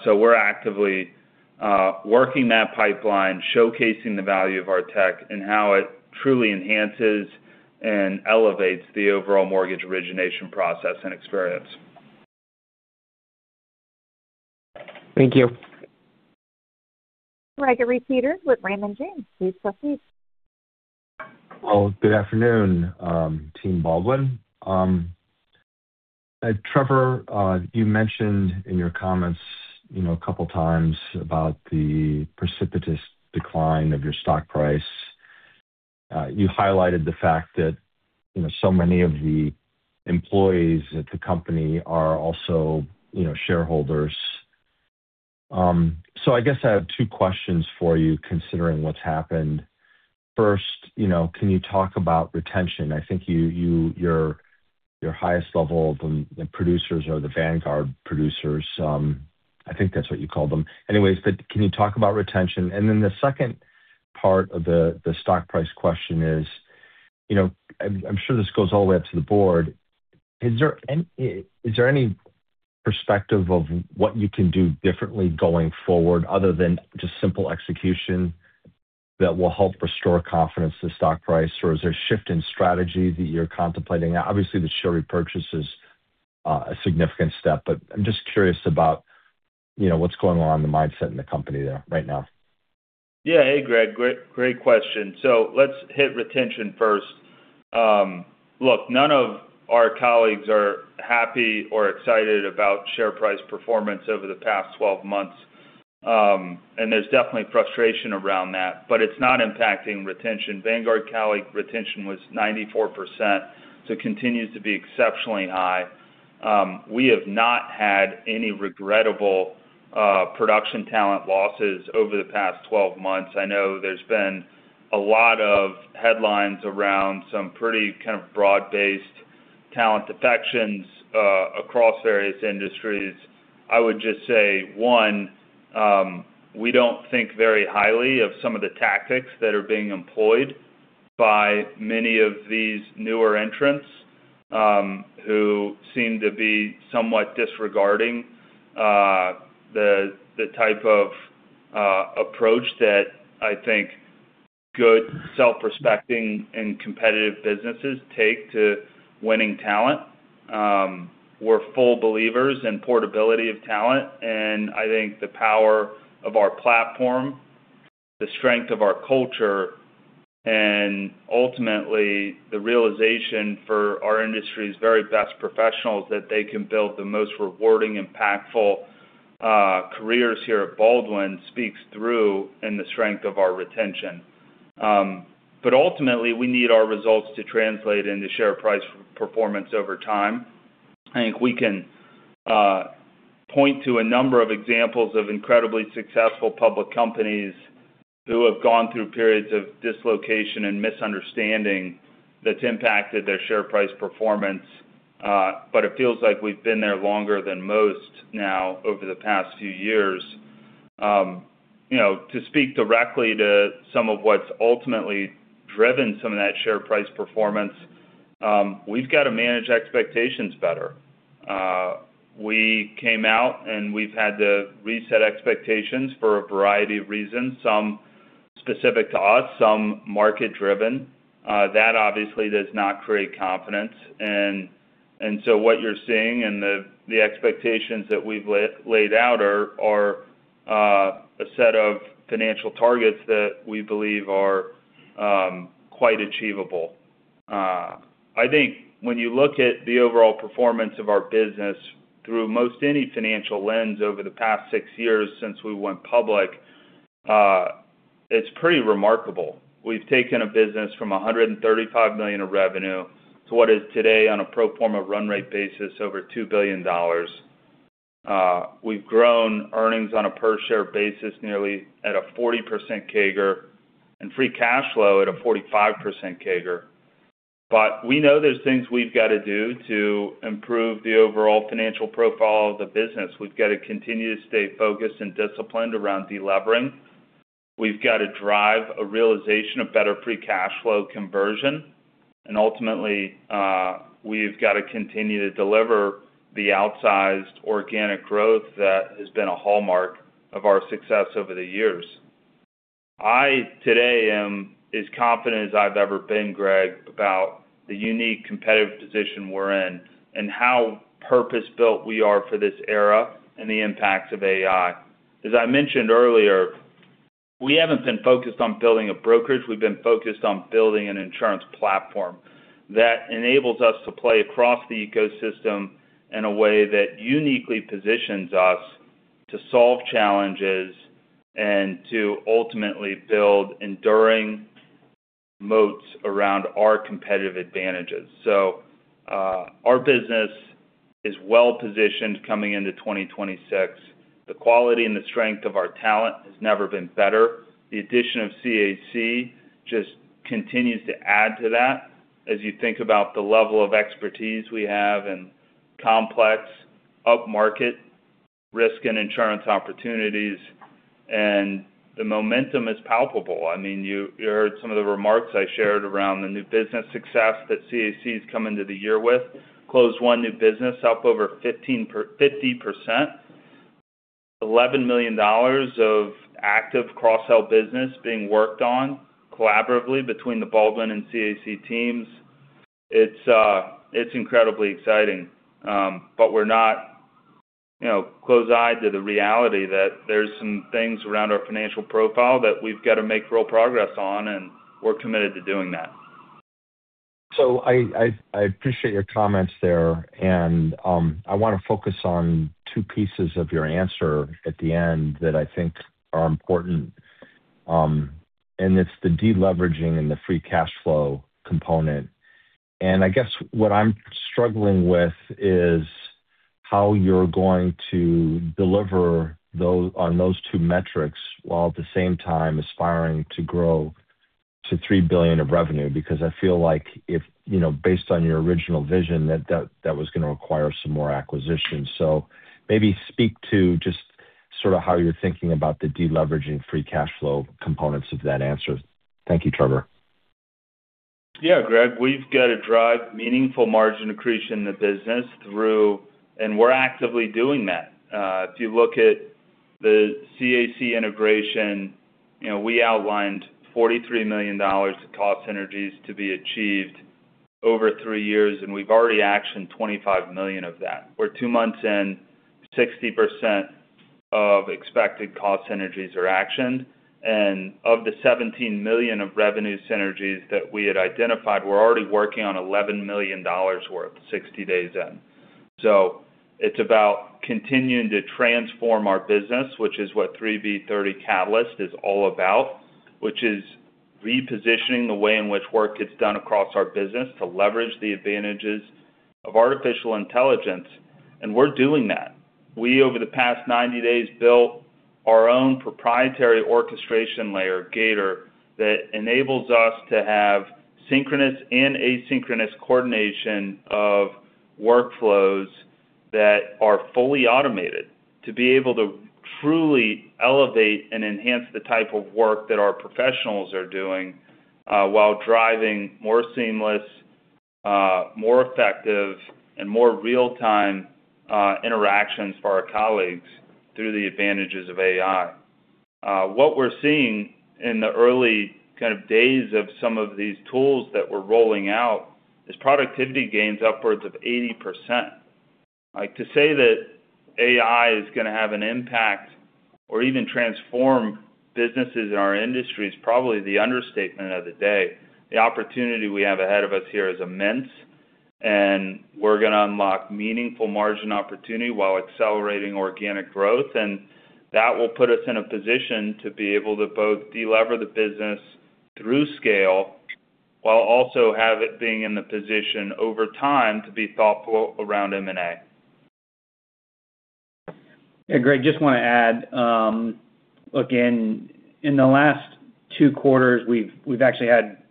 S3: We're actively working that pipeline, showcasing the value of our tech and how it truly enhances and elevates the overall mortgage origination process and experience.
S6: Thank you.
S1: Gregory Peters with Raymond James. Please proceed.
S7: Good afternoon, team Baldwin. Trevor, you mentioned in your comments, you know, a couple of times about the precipitous decline of your stock price. You highlighted the fact that, you know, so many of the employees at the company are also, you know, shareholders. I guess I have two questions for you considering what's happened. First, you know, can you talk about retention? I think your highest level of the producers or the vanguard producers. I think that's what you call them. Anyways, can you talk about retention? The second part of the stock price question is, you know, I'm sure this goes all the way up to the Board: Is there any perspective of what you can do differently going forward, other than just simple execution, that will help restore confidence to the stock price? Or is there a shift in strategy that you're contemplating? Obviously, the share repurchase is a significant step, but I'm just curious about, you know, what's going on in the mindset in the company there right now.
S3: Yeah. Hey, Greg, great question. Let's hit retention first. Look, none of our colleagues are happy or excited about share price performance over the past 12 months, and there's definitely frustration around that, but it's not impacting retention. Vanguard colleague retention was 94%, so it continues to be exceptionally high. We have not had any regrettable production talent losses over the past 12 months. I know there's been a lot of headlines around some pretty kind of broad-based talent defections across various industries. I would just say, one, we don't think very highly of some of the tactics that are being employed by many of these newer entrants, who seem to be somewhat disregarding the type of approach that I think good self-respecting and competitive businesses take to winning talent. We're full believers in portability of talent, and I think the power of our platform, the strength of our culture, and ultimately, the realization for our industry's very best professionals, that they can build the most rewarding, impactful careers here at Baldwin, speaks through in the strength of our retention. Ultimately, we need our results to translate into share price performance over time. I think we can point to a number of examples of incredibly successful public companies who have gone through periods of dislocation and misunderstanding that's impacted their share price performance, it feels like we've been there longer than most now over the past few years. You know, to speak directly to some of what's ultimately driven some of that share price performance, we've got to manage expectations better. We came out, and we've had to reset expectations for a variety of reasons, some specific to us, some market-driven. That obviously does not create confidence. What you're seeing and the expectations that we've laid out are a set of financial targets that we believe are quite achievable. I think when you look at the overall performance of our business through most any financial lens over the past six years since we went public, it's pretty remarkable. We've taken a business from $135 million of revenue to what is today on a pro forma run rate basis, over $2 billion. We've grown earnings on a per share basis, nearly at a 40% CAGR, and free cash flow at a 45% CAGR. We know there's things we've got to do to improve the overall financial profile of the business. We've got to continue to stay focused and disciplined around delevering. We've got to drive a realization of better free cash flow conversion, and ultimately, we've got to continue to deliver the outsized organic growth that has been a hallmark of our success over the years. I, today, am as confident as I've ever been, Greg, about the unique competitive position we're in and how purpose-built we are for this era and the impact of AI. As I mentioned earlier, we haven't been focused on building a brokerage. We've been focused on building an insurance platform that enables us to play across the ecosystem in a way that uniquely positions us to solve challenges and to ultimately build enduring moats around our competitive advantages. Our business is well-positioned coming into 2026. The quality and the strength of our talent has never been better. The addition of CAC just continues to add to that as you think about the level of expertise we have in complex upmarket risk and insurance opportunities, and the momentum is palpable. I mean, you heard some of the remarks I shared around the new business success that CAC has come into the year with. Closed one new business, up over 50%, $11 million of active cross-sell business being worked on collaboratively between the Baldwin and CAC teams. It's incredibly exciting. We're not, you know, close-eyed to the reality that there's some things around our financial profile that we've got to make real progress on, and we're committed to doing that.
S7: I appreciate your comments there, and I want to focus on two pieces of your answer at the end that I think are important, and it's the deleveraging and the free cash flow component. I guess what I'm struggling with is how you're going to deliver on those two metrics, while at the same time aspiring to grow to $3 billion of revenue? Because I feel like if, you know, based on your original vision that was going to require some more acquisitions. Maybe speak to just sort of how you're thinking about the deleveraging free cash flow components of that answer. Thank you, Trevor.
S3: Yeah, Greg, we've got to drive meaningful margin accretion in the business. We're actively doing that. If you look at the CAC integration, you know, we outlined $43 million of cost synergies to be achieved over three years, and we've already actioned $25 million of that. We're two months in, 60% of expected cost synergies are actioned. Of the $17 million of revenue synergies that we had identified, we're already working on $11 million worth 60 days in. It's about continuing to transform our business, which is what 3B/30 Catalyst is all about. Which is repositioning the way in which work gets done across our business to leverage the advantages of artificial intelligence. We're doing that. We, over the past 90 days, built our own proprietary orchestration layer, Gator, that enables us to have synchronous and asynchronous coordination of workflows that are fully automated to be able to truly elevate and enhance the type of work that our professionals are doing, while driving more seamless, more effective and more real-time interactions for our colleagues through the advantages of AI. What we're seeing in the early kind of days of some of these tools that we're rolling out is productivity gains upwards of 80%. Like, to say that AI is going to have an impact or even transform businesses in our industry is probably the understatement of the day. The opportunity we have ahead of us here is immense, and we're going to unlock meaningful margin opportunity while accelerating organic growth. That will put us in a position to be able to both delever the business through scale, while also have it being in the position over time to be thoughtful around M&A.
S4: Yeah. Greg, just want to add, again, in the last two quarters, we've actually had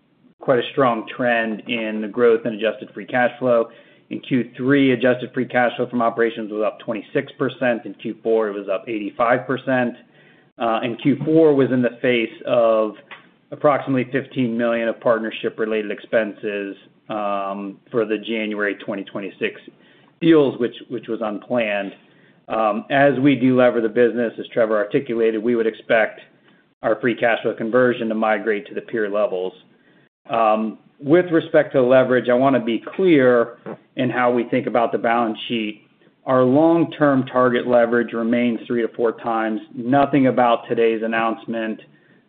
S4: quite a strong trend in the growth in adjusted free cash flow. In Q3, adjusted free cash flow from operations was up 26%. In Q4, it was up 85%. Q4 was in the face of approximately $15 million of partnership related expenses for the January 2026 deals, which was unplanned. As we delever the business, as Trevor articulated, we would expect our free cash flow conversion to migrate to the peer levels. With respect to leverage, I want to be clear in how we think about the balance sheet. Our long-term target leverage remains 3x-4x. Nothing about today's announcement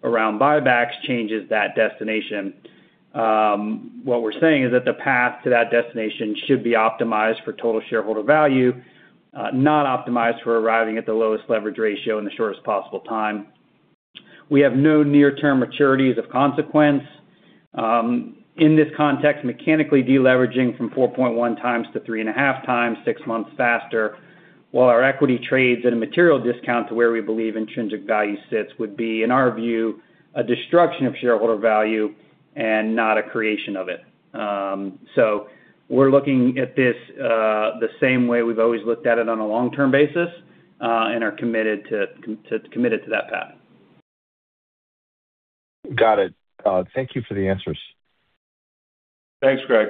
S4: around buybacks changes that destination. What we're saying is that the path to that destination should be optimized for total shareholder value, not optimized for arriving at the lowest leverage ratio in the shortest possible time. We have no near-term maturities of consequence. In this context, mechanically deleveraging from 4.1x to 3.5x, six months faster, while our equity trades at a material discount to where we believe intrinsic value sits would be, in our view, a destruction of shareholder value and not a creation of it. We're looking at this, the same way we've always looked at it on a long-term basis, and are committed to that path.
S7: Got it. Thank you for the answers.
S3: Thanks, Greg.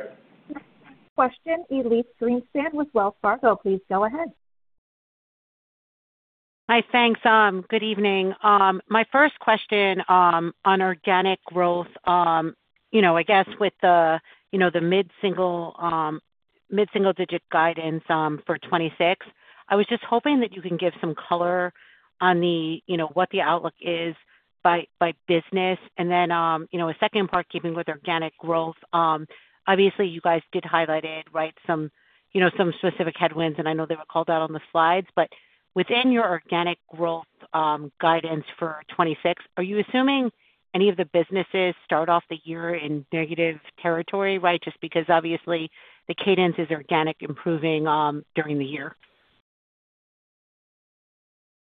S1: Question, Elyse Greenspan with Wells Fargo. Please go ahead.
S8: Hi. Thanks. Good evening. My first question on organic growth, you know, I guess with the, you know, the mid-single mid-single digit guidance for 2026, I was just hoping that you can give some color on the, you know, what the outlook is by business? You know, a second part keeping with organic growth, obviously you guys did highlight it, right? Some, you know, some specific headwinds and I know they were called out on the slides, but within your organic growth guidance for 2026, are you assuming any of the businesses start off the year in negative territory, right? Just because obviously the cadence is organic improving during the year?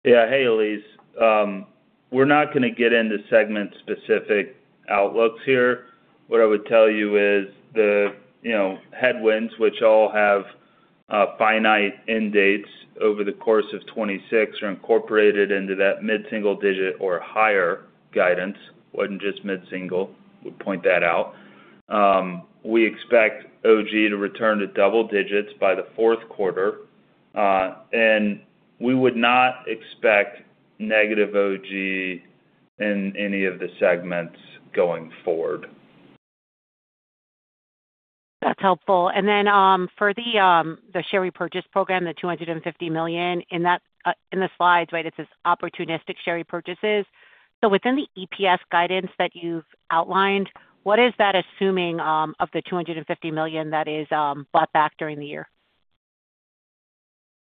S3: Hey, Elyse. We're not gonna get into segment specific outlooks here. What I would tell you is the, you know, headwinds which all have finite end dates over the course of 2026 are incorporated into that mid-single digit or higher guidance. Wasn't just mid-single. Would point that out. We expect OG to return to double digits by the fourth quarter, and we would not expect negative OG in any of the segments going forward.
S8: That's helpful. Then, for the share repurchase program, the $250 million in the slides, right, it says opportunistic share repurchases. Within the EPS guidance that you've outlined, what is that assuming, of the $250 million that is, bought back during the year?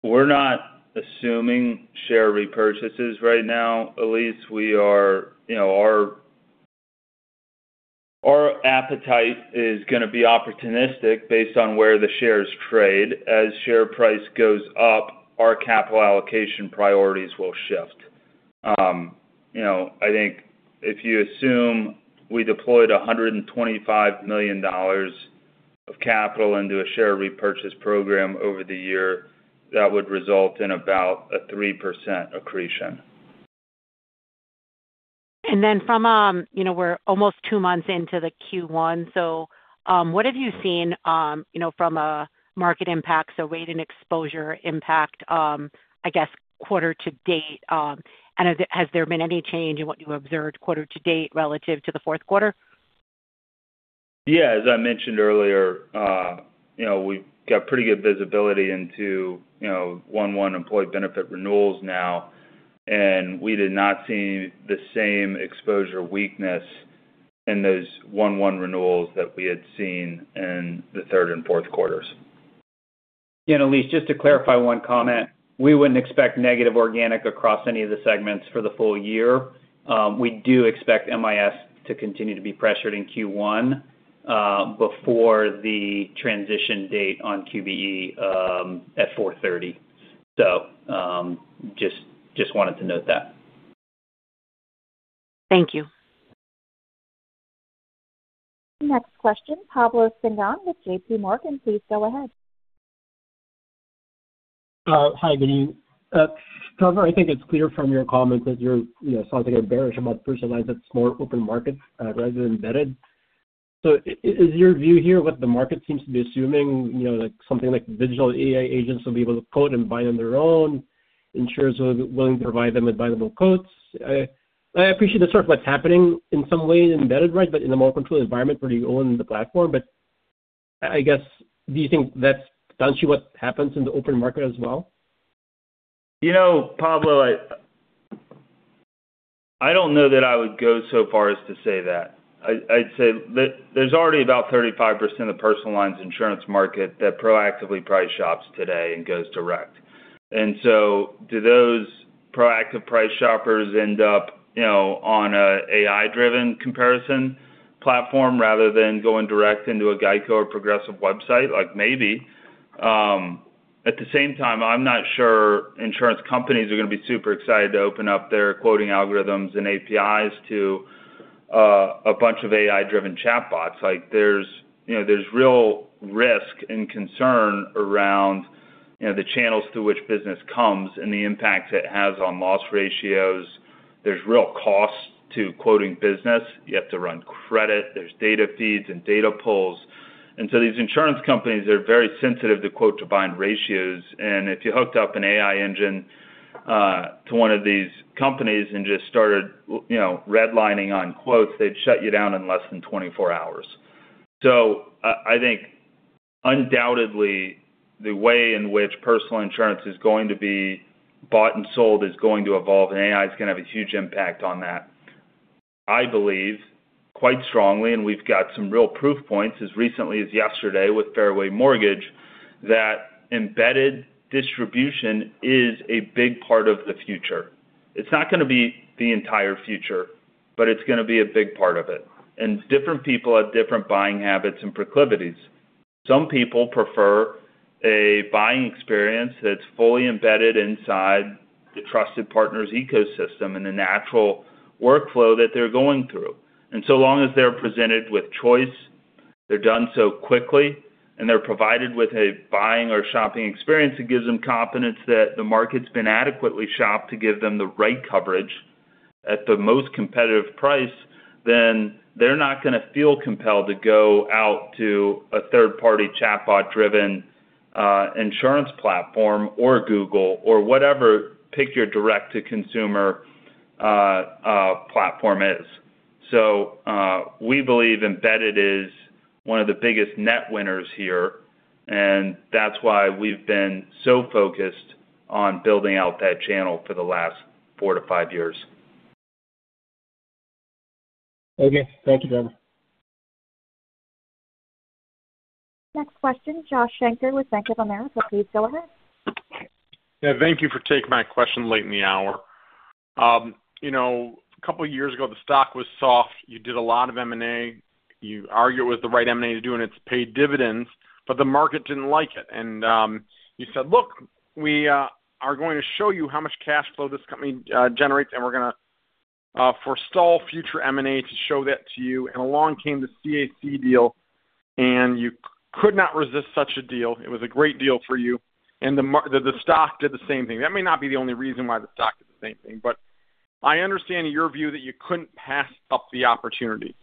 S3: We're not assuming share repurchases right now, Elyse. You know, our appetite is gonna be opportunistic based on where the shares trade. As share price goes up, our capital allocation priorities will shift. You know, I think if you assume we deployed $125 million of capital into a share repurchase program over the year, that would result in about a 3% accretion.
S8: From, you know, we're almost two months into the Q1, so, what have you seen, you know, from a market impact, so rate and exposure impact, I guess, quarter-to-date, and has there been any change in what you observed quarter-to-date relative to the fourth quarter?
S3: Yeah. As I mentioned earlier, you know, we've got pretty good visibility into, you know, 01/01 employee benefit renewals now, and we did not see the same exposure weakness in those 01/01 renewals that we had seen in the third and fourth quarters.
S4: Elyse, just to clarify one comment. We wouldn't expect negative organic across any of the segments for the full year. We do expect MIS to continue to be pressured in Q1 before the transition date on QBE at 04/30. just wanted to note that.
S8: Thank you.
S1: Next question, Pablo Singzon with JPMorgan. Please go ahead.
S9: Hi, good evening. Trevor, I think it's clear from your comments that you're, you know, sounding a bit bearish about personalized, it's more open market, rather than embedded. Is your view here what the market seems to be assuming, you know, like something like digital AI agents will be able to quote and buy on their own, insurers are willing to provide them with buyable quotes. I appreciate that's sort of what's happening in some ways embedded, right, but in a more controlled environment where you own the platform. I guess, do you think that's potentially what happens in the open market as well?
S3: You know, Pablo, I don't know that I would go so far as to say that. I'd say there's already about 35% of personal lines insurance market that proactively price shops today and goes direct. Do those proactive price shoppers end up, you know, on a AI-driven comparison platform rather than going direct into a GEICO or Progressive website? Like, maybe. At the same time, I'm not sure insurance companies are gonna be super excited to open up their quoting algorithms and APIs to a bunch of AI-driven chatbots. Like there's, you know, there's real risk and concern around, you know, the channels through which business comes and the impact it has on loss ratios. There's real costs to quoting business. You have to run credit. There's data feeds and data polls. These insurance companies are very sensitive to quote-to-bind ratios. If you hooked up an AI engine to one of these companies and just started, you know, redlining on quotes, they'd shut you down in less than 24 hours. I think undoubtedly, the way in which personal insurance is going to be bought and sold is going to evolve, and AI is gonna have a huge impact on that. I believe quite strongly, and we've got some real proof points as recently as yesterday with Fairway Mortgage, that embedded distribution is a big part of the future. It's not gonna be the entire future, but it's gonna be a big part of it. Different people have different buying habits and proclivities. Some people prefer a buying experience that's fully embedded inside the trusted partners ecosystem and the natural workflow that they're going through. So long as they're presented with choice, they're done so quickly, and they're provided with a buying or shopping experience that gives them confidence that the market's been adequately shopped to give them the right coverage at the most competitive price, then they're not gonna feel compelled to go out to a third-party chatbot-driven, insurance platform or Google or whatever, pick your direct-to-consumer, platform is. We believe embedded is one of the biggest net winners here, and that's why we've been so focused on building out that channel for the last four to five years.
S9: Okay. Thank you, Trevor.
S1: Next question, Josh Shanker with Bank of America. Please go ahead.
S10: Yeah, thank you for taking my question late in the hour. You know, a couple of years ago, the stock was soft. You did a lot of M&A. You argue it was the right M&A to do, and it's paid dividends, but the market didn't like it. You said, "Look, we are going to show you how much cash flow this company generates, and we're gonna forestall future M&A to show that to you." Along came the CAC deal, and you could not resist such a deal. It was a great deal for you. The stock did the same thing. That may not be the only reason why the stock did the same thing, but I understand your view that you couldn't pass up the opportunity.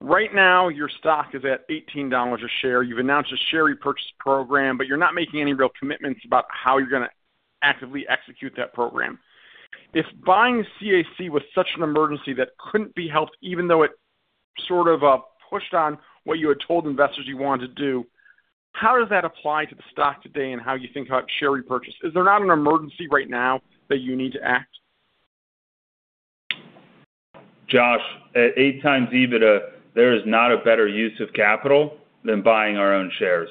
S10: Right now, your stock is at $18 a share. You've announced a share repurchase program, but you're not making any real commitments about how you're gonna actively execute that program. If buying CAC was such an emergency that couldn't be helped, even though it sort of pushed on what you had told investors you wanted to do, how does that apply to the stock today and how you think about share repurchase? Is there not an emergency right now that you need to act?
S3: Josh, at 8x EBITDA, there is not a better use of capital than buying our own shares.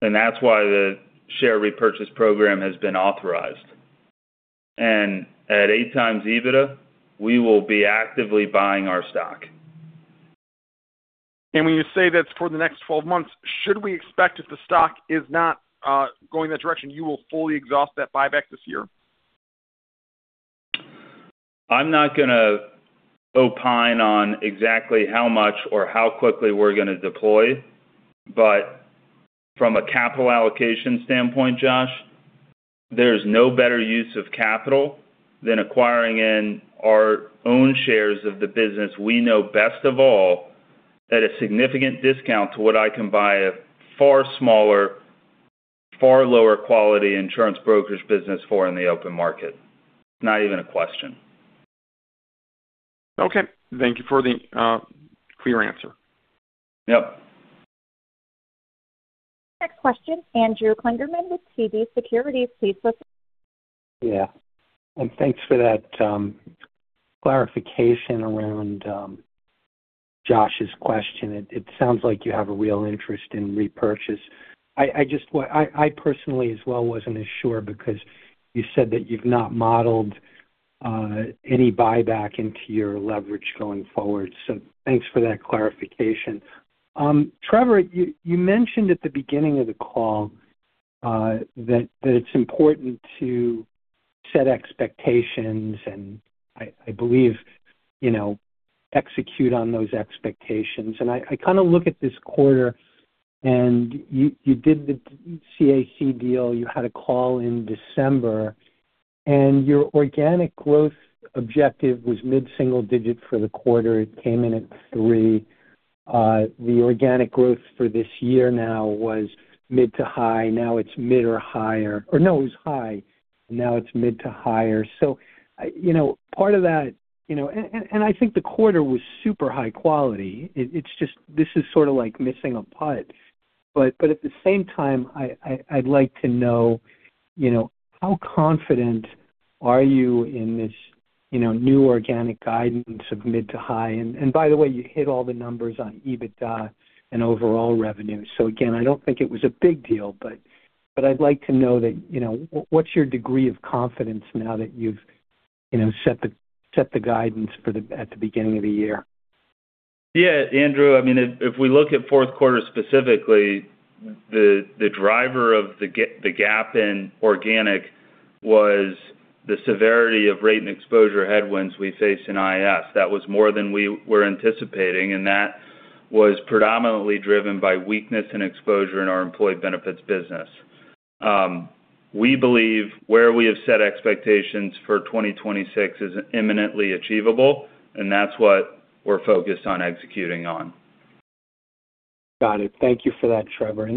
S3: That's why the share repurchase program has been authorized. At 8x EBITDA, we will be actively buying our stock.
S10: When you say that's for the next 12 months, should we expect if the stock is not going that direction, you will fully exhaust that buyback this year?
S3: I'm not gonna opine on exactly how much or how quickly we're gonna deploy. From a capital allocation standpoint, Josh, there's no better use of capital than acquiring in our own shares of the business. We know best of all, at a significant discount to what I can buy a far smaller, far lower quality insurance brokerage business for in the open market. Not even a question.
S10: Okay. Thank you for the for your answer.
S3: Yep.
S1: Next question, Andrew Kligerman with TD Securities. Please listen.
S11: Yeah, thanks for that clarification around Josh's question. It sounds like you have a real interest in repurchase. I personally, as well, wasn't as sure because you said that you've not modeled any buyback into your leverage going forward. Thanks for that clarification. Trevor, you mentioned at the beginning of the call that it's important to set expectations and I believe, you know, execute on those expectations. I kind of look at this quarter, and you did the CAC deal. You had a call in December, and your organic growth objective was mid-single digit for the quarter. It came in at 3%. The organic growth for this year now was mid to high. Now it's mid or higher. No, it was high. Now it's mid to higher. I, you know, part of that, you know, and I think the quarter was super high quality. It's just. This is sort of like missing a putt. At the same time, I'd like to know, you know, how confident are you in this, you know, new organic guidance of mid to high? By the way, you hit all the numbers on EBITDA and overall revenue. Again, I don't think it was a big deal, but I'd like to know that, you know, what's your degree of confidence now that you've, you know, set the guidance for the at the beginning of the year?
S3: Yeah, Andrew, I mean, if we look at fourth quarter specifically, the driver of the gap in organic was the severity of rate and exposure headwinds we faced in IAS. That was more than we were anticipating, and that was predominantly driven by weakness and exposure in our employee benefits business. We believe where we have set expectations for 2026 is imminently achievable, and that's what we're focused on executing on.
S11: Got it. Thank you for that, Trevor.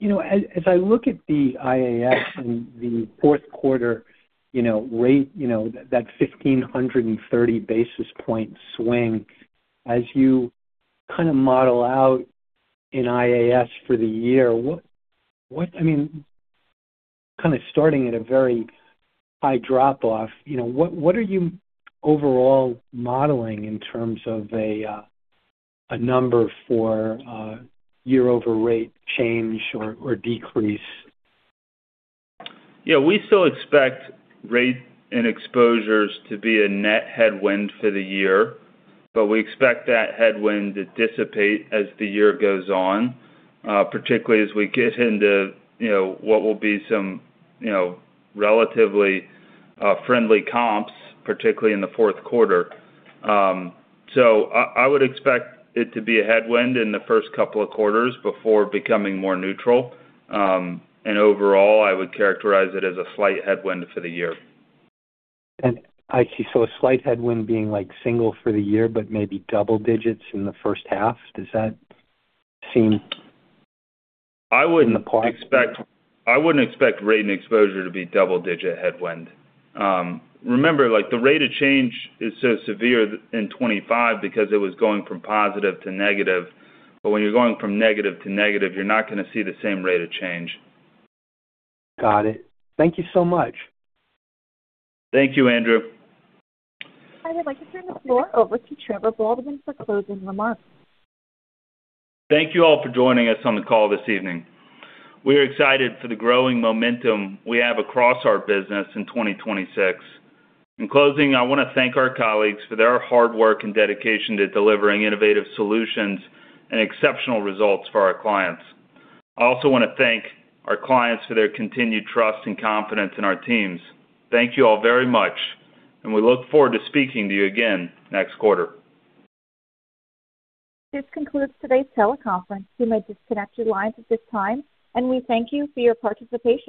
S11: You know, as I look at the IAS in the fourth quarter, you know, rate, you know, that 1,530 basis point swing, as you kind of model out in IAS for the year, I mean, kind of starting at a very high drop-off, you know, what are you overall modeling in terms of a number for a year-over-rate change or decrease?
S3: We still expect rate and exposures to be a net headwind for the year, but we expect that headwind to dissipate as the year goes on, particularly as we get into, you know, what will be some, you know, relatively friendly comps, particularly in the fourth quarter. I would expect it to be a headwind in the first couple of quarters before becoming more neutral. Overall, I would characterize it as a slight headwind for the year.
S11: I see. A slight headwind being like single for the year, but maybe double digits in the first half. Does that seem?
S3: I wouldn't expect-
S11: In the part?
S3: I wouldn't expect rate and exposure to be double-digit headwind. Remember, like, the rate of change is so severe in 2025 because it was going from positive to negative, but when you're going from negative to negative, you're not gonna see the same rate of change.
S11: Got it. Thank you so much.
S3: Thank you, Andrew.
S1: I would like to turn the floor over to Trevor Baldwin for closing remarks.
S3: Thank you all for joining us on the call this evening. We are excited for the growing momentum we have across our business in 2026. In closing, I want to thank our colleagues for their hard work and dedication to delivering innovative solutions and exceptional results for our clients. I also want to thank our clients for their continued trust and confidence in our teams. Thank you all very much, and we look forward to speaking to you again next quarter.
S1: This concludes today's teleconference. You may disconnect your lines at this time. We thank you for your participation.